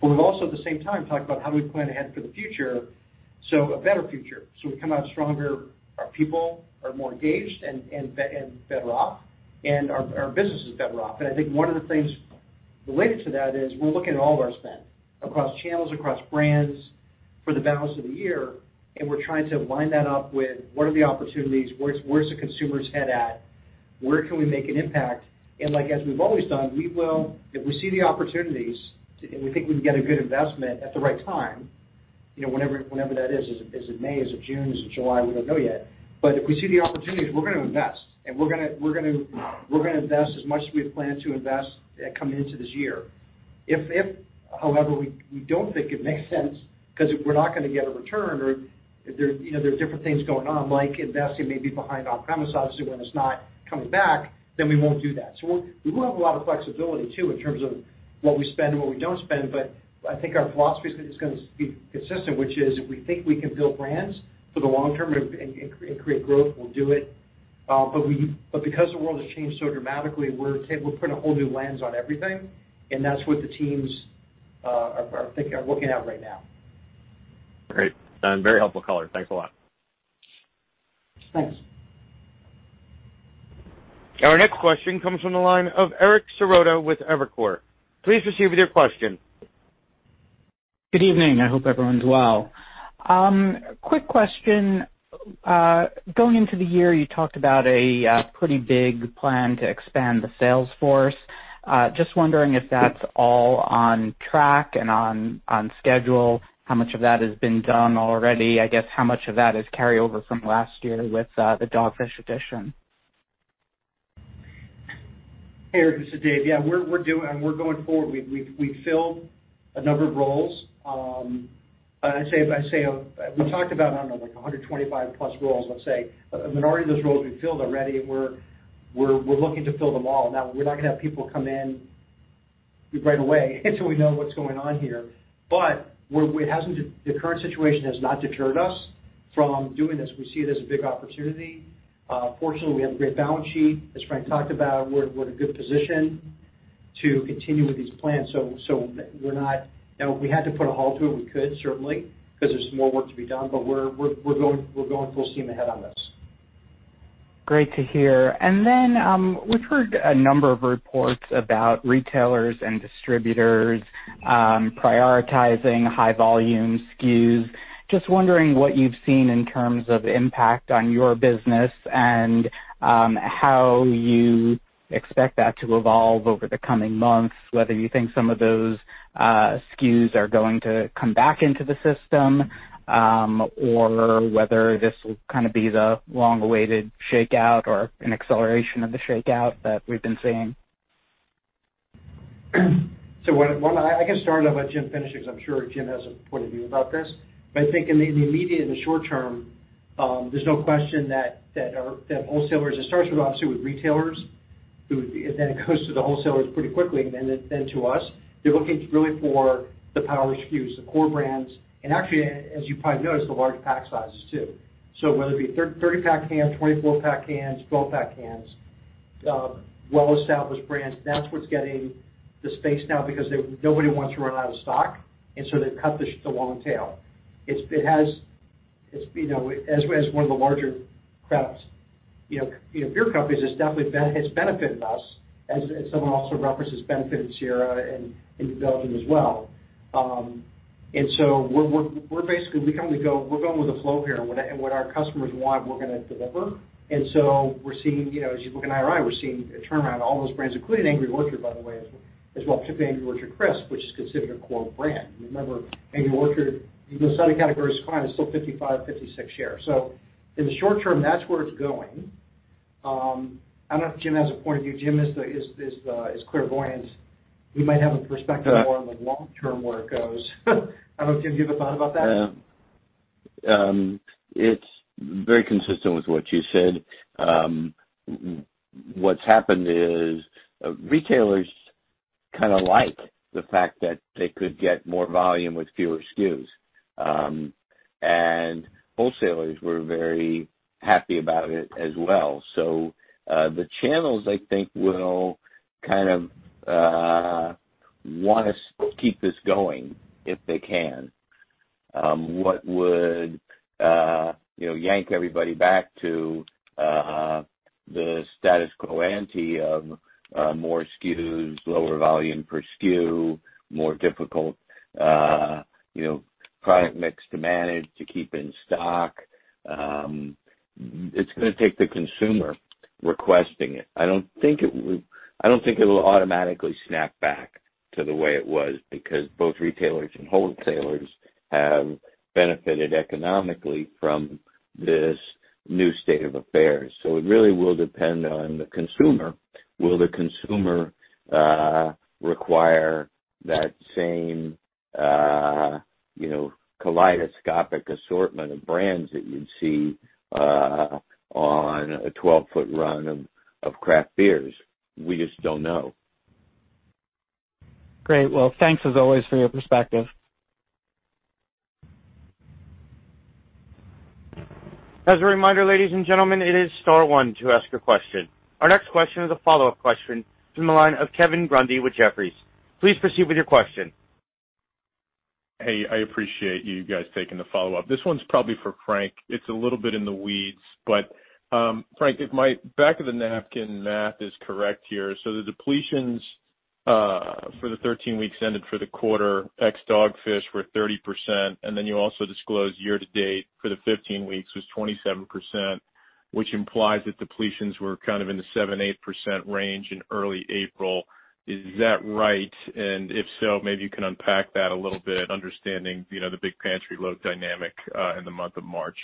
but we've also, at the same time, talked about how do we plan ahead for the future, so a better future, so we come out stronger, our people are more engaged and better off, and our business is better off. And I think one of the things related to that is we're looking at all of our spend across channels, across brands for the balance of the year, and we're trying to line that up with what are the opportunities, where's the consumer's head at, where can we make an impact. And as we've always done, if we see the opportunities and we think we can get a good investment at the right time, whenever that is, is it May, is it June, is it July, we don't know yet. But if we see the opportunities, we're going to invest. And we're going to invest as much as we've planned to invest coming into this year. If, however, we don't think it makes sense because we're not going to get a return or there are different things going on, like investing maybe behind on-premise, obviously, when it's not coming back, then we won't do that. So we will have a lot of flexibility too in terms of what we spend and what we don't spend. But I think our philosophy is going to be consistent, which is if we think we can build brands for the long term and create growth, we'll do it. But because the world has changed so dramatically, we're putting a whole new lens on everything, and that's what the teams are looking at right now. Great. Very helpful color. Thanks a lot. Thanks. Our next question comes from the line of Eric Serotta with Evercore. Please proceed with your question. Good evening. I hope everyone's well. Quick question. Going into the year, you talked about a pretty big plan to expand the sales force. Just wondering if that's all on track and on schedule, how much of that has been done already, I guess, how much of that is carryover from last year with the Dogfish Head acquisition? Hey, Eric. This is Dave. Yeah. We're going forward. We filled a number of roles. I'd say we talked about, I don't know, like 125-plus roles, let's say. A minority of those roles we filled already, and we're looking to fill them all. Now, we're not going to have people come in right away until we know what's going on here. But the current situation has not deterred us from doing this. We see it as a big opportunity. Fortunately, we have a great balance sheet, as Frank talked about. We're in a good position to continue with these plans. So if we had to put a halt to it, we could, certainly, because there's more work to be done. But we're going full steam ahead on this. Great to hear. And then we've heard a number of reports about retailers and distributors prioritizing high-volume SKUs. Just wondering what you've seen in terms of impact on your business and how you expect that to evolve over the coming months, whether you think some of those SKUs are going to come back into the system or whether this will kind of be the long-awaited shakeout or an acceleration of the shakeout that we've been seeing? So I can start off, but Jim finishes because I'm sure Jim has a point of view about this. But I think in the immediate and the short term, there's no question that wholesalers, it starts with, obviously, with retailers, then it goes to the wholesalers pretty quickly, and then to us. They're looking really for the power SKUs, the core brands, and actually, as you probably noticed, the large pack sizes too. So whether it be 30-pack cans, 24-pack cans, 12-pack cans, well-established brands, that's what's getting the space now because nobody wants to run out of stock. And so they've cut the long tail. It has, as one of the larger craft beer companies, it's definitely benefited us, as someone also referenced has benefited Sierra New Belgium as well. And so we're basically going to go, we're going with the flow here. What our customers want, we're going to deliver. And so we're seeing, as you look in IRI, we're seeing a turnaround in all those brands, including Angry Orchard, by the way, as well, particularly Angry Orchard Crisp, which is considered a core brand. Remember, Angry Orchard, even though some of the categories are declining, it's still 55-56 shares. So in the short term, that's where it's going. I don't know if Jim has a point of view. Jim has clairvoyance. We might have a perspective more on the long term where it goes. I don't know if Jim gave a thought about that. Yeah. It's very consistent with what you said. What's happened is retailers kind of like the fact that they could get more volume with fewer SKUs, and wholesalers were very happy about it as well, so the channels, I think, will kind of want to keep this going if they can. What would yank everybody back to the status quo ante of more SKUs, lower volume per SKU, more difficult product mix to manage, to keep in stock? It's going to take the consumer requesting it. I don't think it will automatically snap back to the way it was because both retailers and wholesalers have benefited economically from this new state of affairs, so it really will depend on the consumer. Will the consumer require that same kaleidoscopic assortment of brands that you'd see on a 12-foot run of craft beers? We just don't know. Great. Well, thanks as always for your perspective. As a reminder, ladies and gentlemen, it is Star One to ask a question. Our next question is a follow-up question from the line of Kevin Grundy with Jefferies. Please proceed with your question. Hey, I appreciate you guys taking the follow-up. This one's probably for Frank. It's a little bit in the weeds. But Frank, if my back-of-the-napkin math is correct here, so the depletions for the 13 weeks ended for the quarter ex-Dogfish were 30%. And then you also disclosed year-to-date for the 15 weeks was 27%, which implies that depletions were kind of in the 7%-8% range in early April. Is that right? And if so, maybe you can unpack that a little bit, understanding the big pantry load dynamic in the month of March.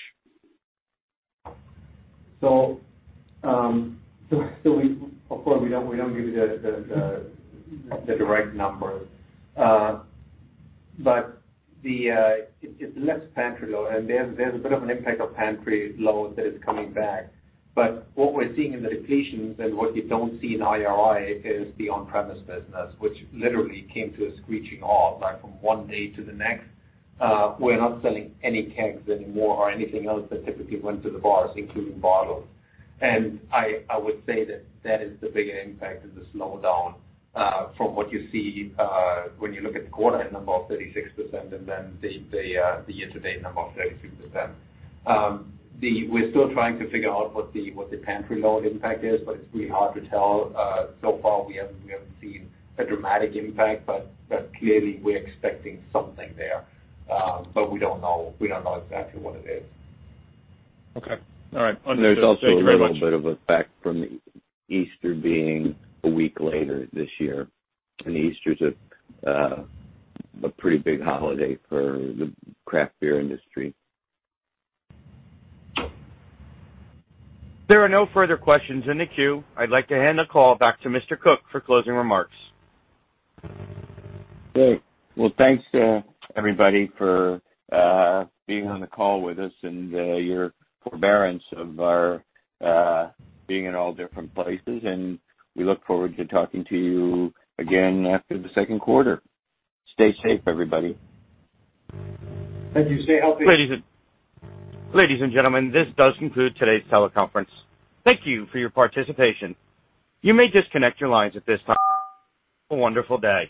Of course, we don't give you the direct number. But it's less pantry load. And there's a bit of an impact of pantry load that is coming back. But what we're seeing in the depletions and what you don't see in IRI is the on-premise business, which literally came to a screeching halt from one day to the next. We're not selling any kegs anymore or anything else that typically went to the bars, including bottles. And I would say that that is the bigger impact in the slowdown from what you see when you look at the quarter and number of 36% and then the year-to-date number of 33%. We're still trying to figure out what the pantry load impact is, but it's really hard to tell. So far, we haven't seen a dramatic impact, but clearly, we're expecting something there. But we don't know exactly what it is. Okay. All right. There's also a little bit of a boost from the Easter being a week later this year. Easter's a pretty big holiday for the craft beer industry. There are no further questions in the queue. I'd like to hand the call back to Mr. Koch for closing remarks. Great. Well, thanks, everybody, for being on the call with us and your forbearance of our being in all different places. And we look forward to talking to you again after the second quarter. Stay safe, everybody. Thank you. Stay healthy. Ladies and gentlemen, this does conclude today's teleconference. Thank you for your participation. You may disconnect your lines at this time. Have a wonderful day.